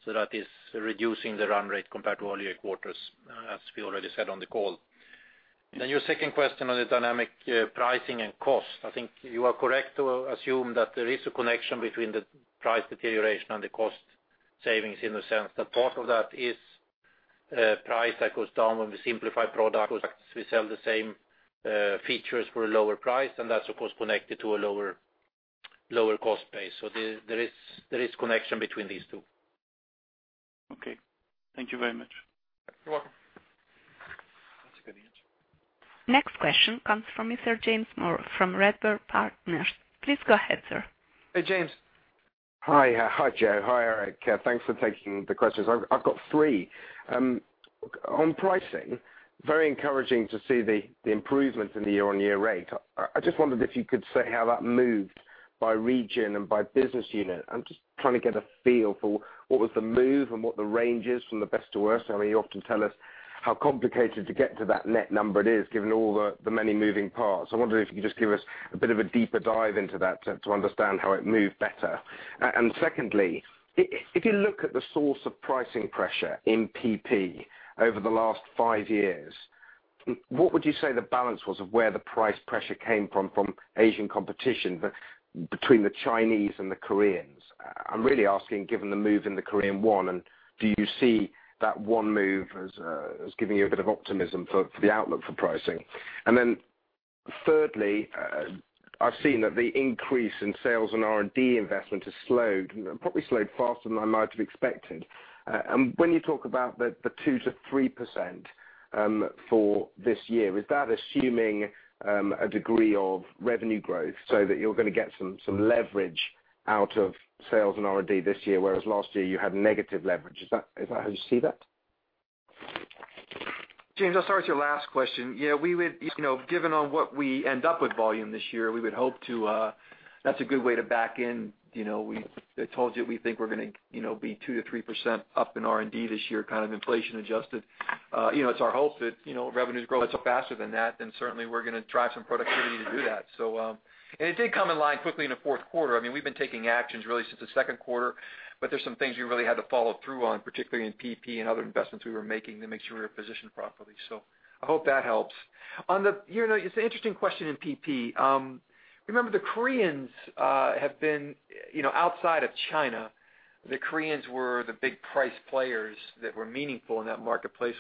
That is reducing the run rate compared to all year quarters, as we already said on the call. Your second question on the dynamic pricing and cost. I think you are correct to assume that there is a connection between the price deterioration and the cost savings, in the sense that part of that is price that goes down when we simplify products. We sell the same features for a lower price, and that's, of course, connected to a lower cost base. There is connection between these two. Okay. Thank you very much. You're welcome. That's a good answer. Next question comes from Mr. James Moore from Redburn Partners. Please go ahead, sir. Hey, James. Hi, Joe. Hi, Eric. Thanks for taking the questions. I've got three. On pricing, very encouraging to see the improvements in the year-on-year rate. I just wondered if you could say how that moved by region and by business unit. I'm just trying to get a feel for what was the move and what the range is from the best to worst. You often tell us how complicated to get to that net number it is, given all the many moving parts. I wonder if you could just give us a bit of a deeper dive into that to understand how it moved better. Secondly, if you look at the source of pricing pressure in PP over the last five years, what would you say the balance was of where the price pressure came from Asian competition, but between the Chinese and the Koreans? I'm really asking, given the move in the Korean won, do you see that won move as giving you a bit of optimism for the outlook for pricing? Thirdly, I've seen that the increase in sales and R&D investment has slowed, probably slowed faster than I might have expected. When you talk about the 2%-3% for this year, is that assuming a degree of revenue growth so that you're going to get some leverage out of sales and R&D this year, whereas last year you had negative leverage? Is that how you see that? James, I'll start with your last question. Given on what we end up with volume this year, that's a good way to back in. I told you we think we're going to be 2%-3% up in R&D this year, inflation adjusted. It's our hope that revenues grow faster than that, certainly we're going to drive some productivity to do that. It did come in line quickly in the fourth quarter. We've been taking actions really since the second quarter, but there's some things we really had to follow through on, particularly in PP and other investments we were making to make sure we were positioned properly. I hope that helps. It's an interesting question in PP. Remember, the Koreans have been, outside of China, the Koreans were the big price players that were meaningful in that marketplace.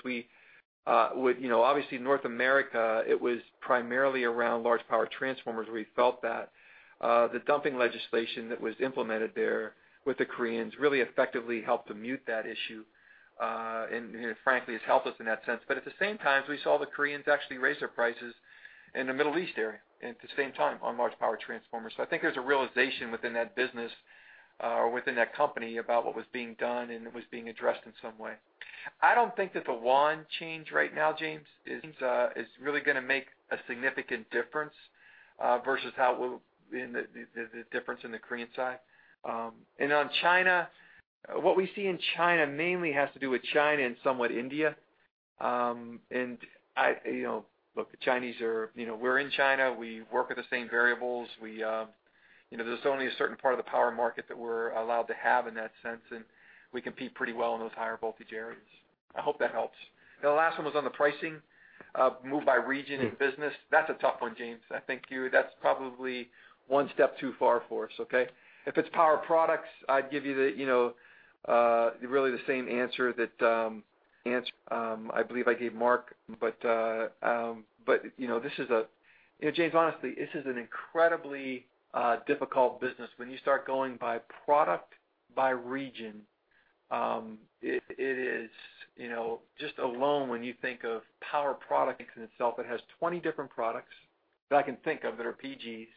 Obviously, North America, it was primarily around large power transformers where we felt that. The dumping legislation that was implemented there with the Koreans really effectively helped to mute that issue, frankly, has helped us in that sense. At the same time, we saw the Koreans actually raise their prices in the Middle East area at the same time on large power transformers. I think there's a realization within that business or within that company about what was being done, it was being addressed in some way. I don't think that the won change right now, James, is really going to make a significant difference versus the difference in the Korean side. On China, what we see in China mainly has to do with China and somewhat India. Look, we're in China. We work with the same variables. There's only a certain part of the power market that we're allowed to have in that sense, and we compete pretty well in those higher voltage areas. I hope that helps. The last one was on the pricing move by region and business. That's a tough one, James. I think that's probably one step too far for us, okay? If it's Power Products, I'd give you really the same answer that I believe I gave Mark. James, honestly, this is an incredibly difficult business. When you start going by product by region, just alone when you think of Power Products in itself, it has 20 different products that I can think of that are PGs,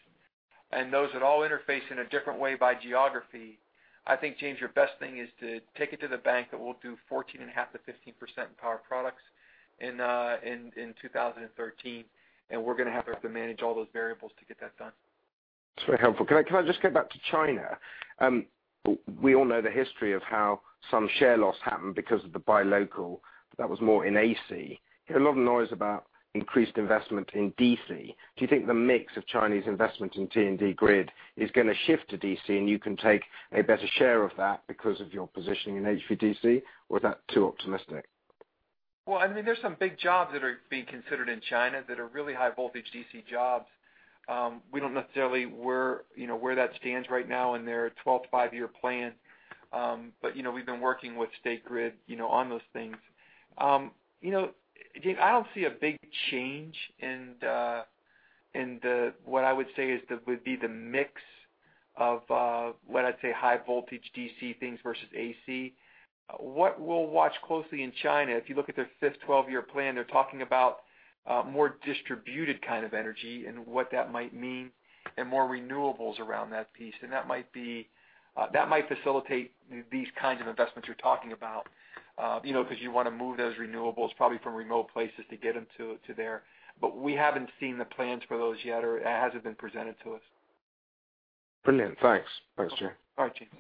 and those that all interface in a different way by geography. I think, James, your best thing is to take it to the bank that we'll do 14.5%-15% in Power Products in 2013, and we're going to have to manage all those variables to get that done. That's very helpful. Can I just get back to China? We all know the history of how some share loss happened because of the buy local. That was more in AC. Hear a lot of noise about increased investment in DC. Do you think the mix of Chinese investment in T&D grid is going to shift to DC and you can take a better share of that because of your positioning in HVDC, or is that too optimistic? Well, there's some big jobs that are being considered in China that are really high voltage DC jobs. We don't necessarily where that stands right now in their 12th five-year plan, but we've been working with State Grid on those things. James, I don't see a big change in what I would say would be the mix of what I'd say high voltage DC things versus AC. What we'll watch closely in China, if you look at their fifth 12-year plan, they're talking about more distributed kind of energy and what that might mean, and more renewables around that piece. That might facilitate these kinds of investments you're talking about, because you want to move those renewables, probably from remote places to get them to there. We haven't seen the plans for those yet, or it hasn't been presented to us. Brilliant. Thanks. Thanks, Joe. All right. Cheers.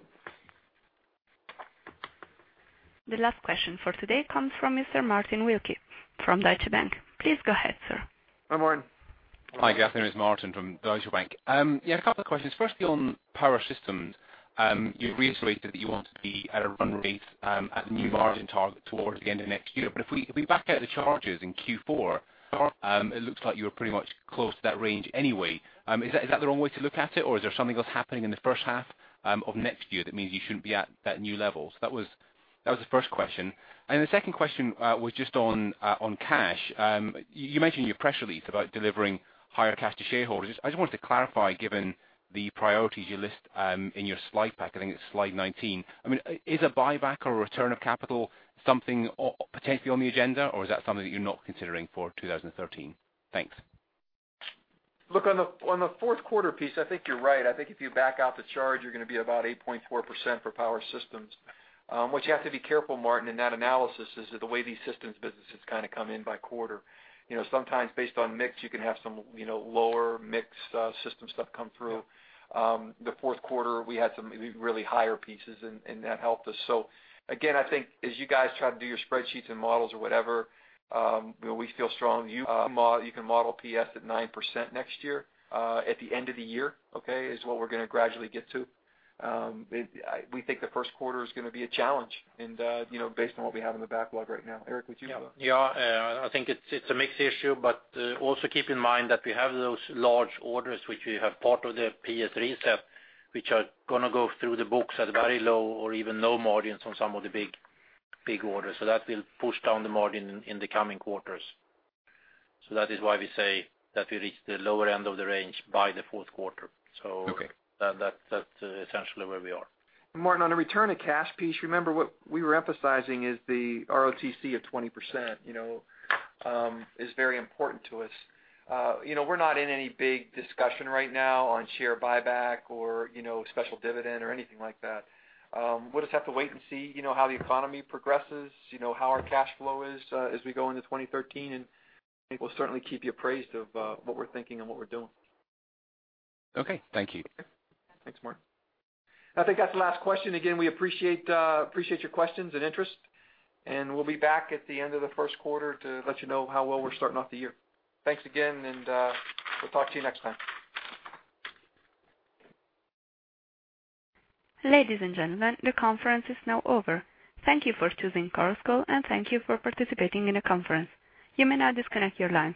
The last question for today comes from Mr. Martin Wilkie from Deutsche Bank. Please go ahead, sir. Hi, Martin. Hi, guys. It is Martin from Deutsche Bank. Yeah, a couple of questions. Firstly, on Power Systems, you reiterated that you want to be at a run rate at the new margin target towards the end of next year. If we back out the charges in Q4, it looks like you were pretty much close to that range anyway. Is that the wrong way to look at it, or is there something else happening in the first half of next year that means you shouldn't be at that new level? That was the first question. The second question was just on cash. You mentioned in your press release about delivering higher cash to shareholders. I just wanted to clarify, given the priorities you list in your slide pack, I think it's slide 19. Is a buyback or return of capital something potentially on the agenda, or is that something that you're not considering for 2013? Thanks. Look, on the fourth quarter piece, I think you're right. I think if you back out the charge, you're going to be about 8.4% for Power Systems. What you have to be careful, Martin, in that analysis is that the way these systems businesses kind of come in by quarter. Sometimes based on mix, you can have some lower-mix system stuff come through. The fourth quarter, we had some really higher pieces, and that helped us. Again, I think as you guys try to do your spreadsheets and models or whatever, we feel strong. You can model PS at 9% next year at the end of the year, okay, is what we're going to gradually get to. We think the first quarter is going to be a challenge based on what we have in the backlog right now. Eric, would you- Yeah. I think it's a mix issue, but also keep in mind that we have those large orders, which we have part of the PS reset, which are going to go through the books at very low or even no margins on some of the big orders. That will push down the margin in the coming quarters. That is why we say that we reach the lower end of the range by the fourth quarter. Okay. That's essentially where we are. Martin, on the return of cash piece, remember, what we were emphasizing is the ROIC of 20% is very important to us. We're not in any big discussion right now on share buyback or special dividend or anything like that. We'll just have to wait and see how the economy progresses, how our cash flow is as we go into 2013, and I think we'll certainly keep you appraised of what we're thinking and what we're doing. Okay. Thank you. Thanks, Martin. I think that's the last question. Again, we appreciate your questions and interest, and we'll be back at the end of the first quarter to let you know how well we're starting off the year. Thanks again, and we'll talk to you next time. Ladies and gentlemen, the conference is now over. Thank you for choosing Chorus Call, and thank you for participating in the conference. You may now disconnect your lines.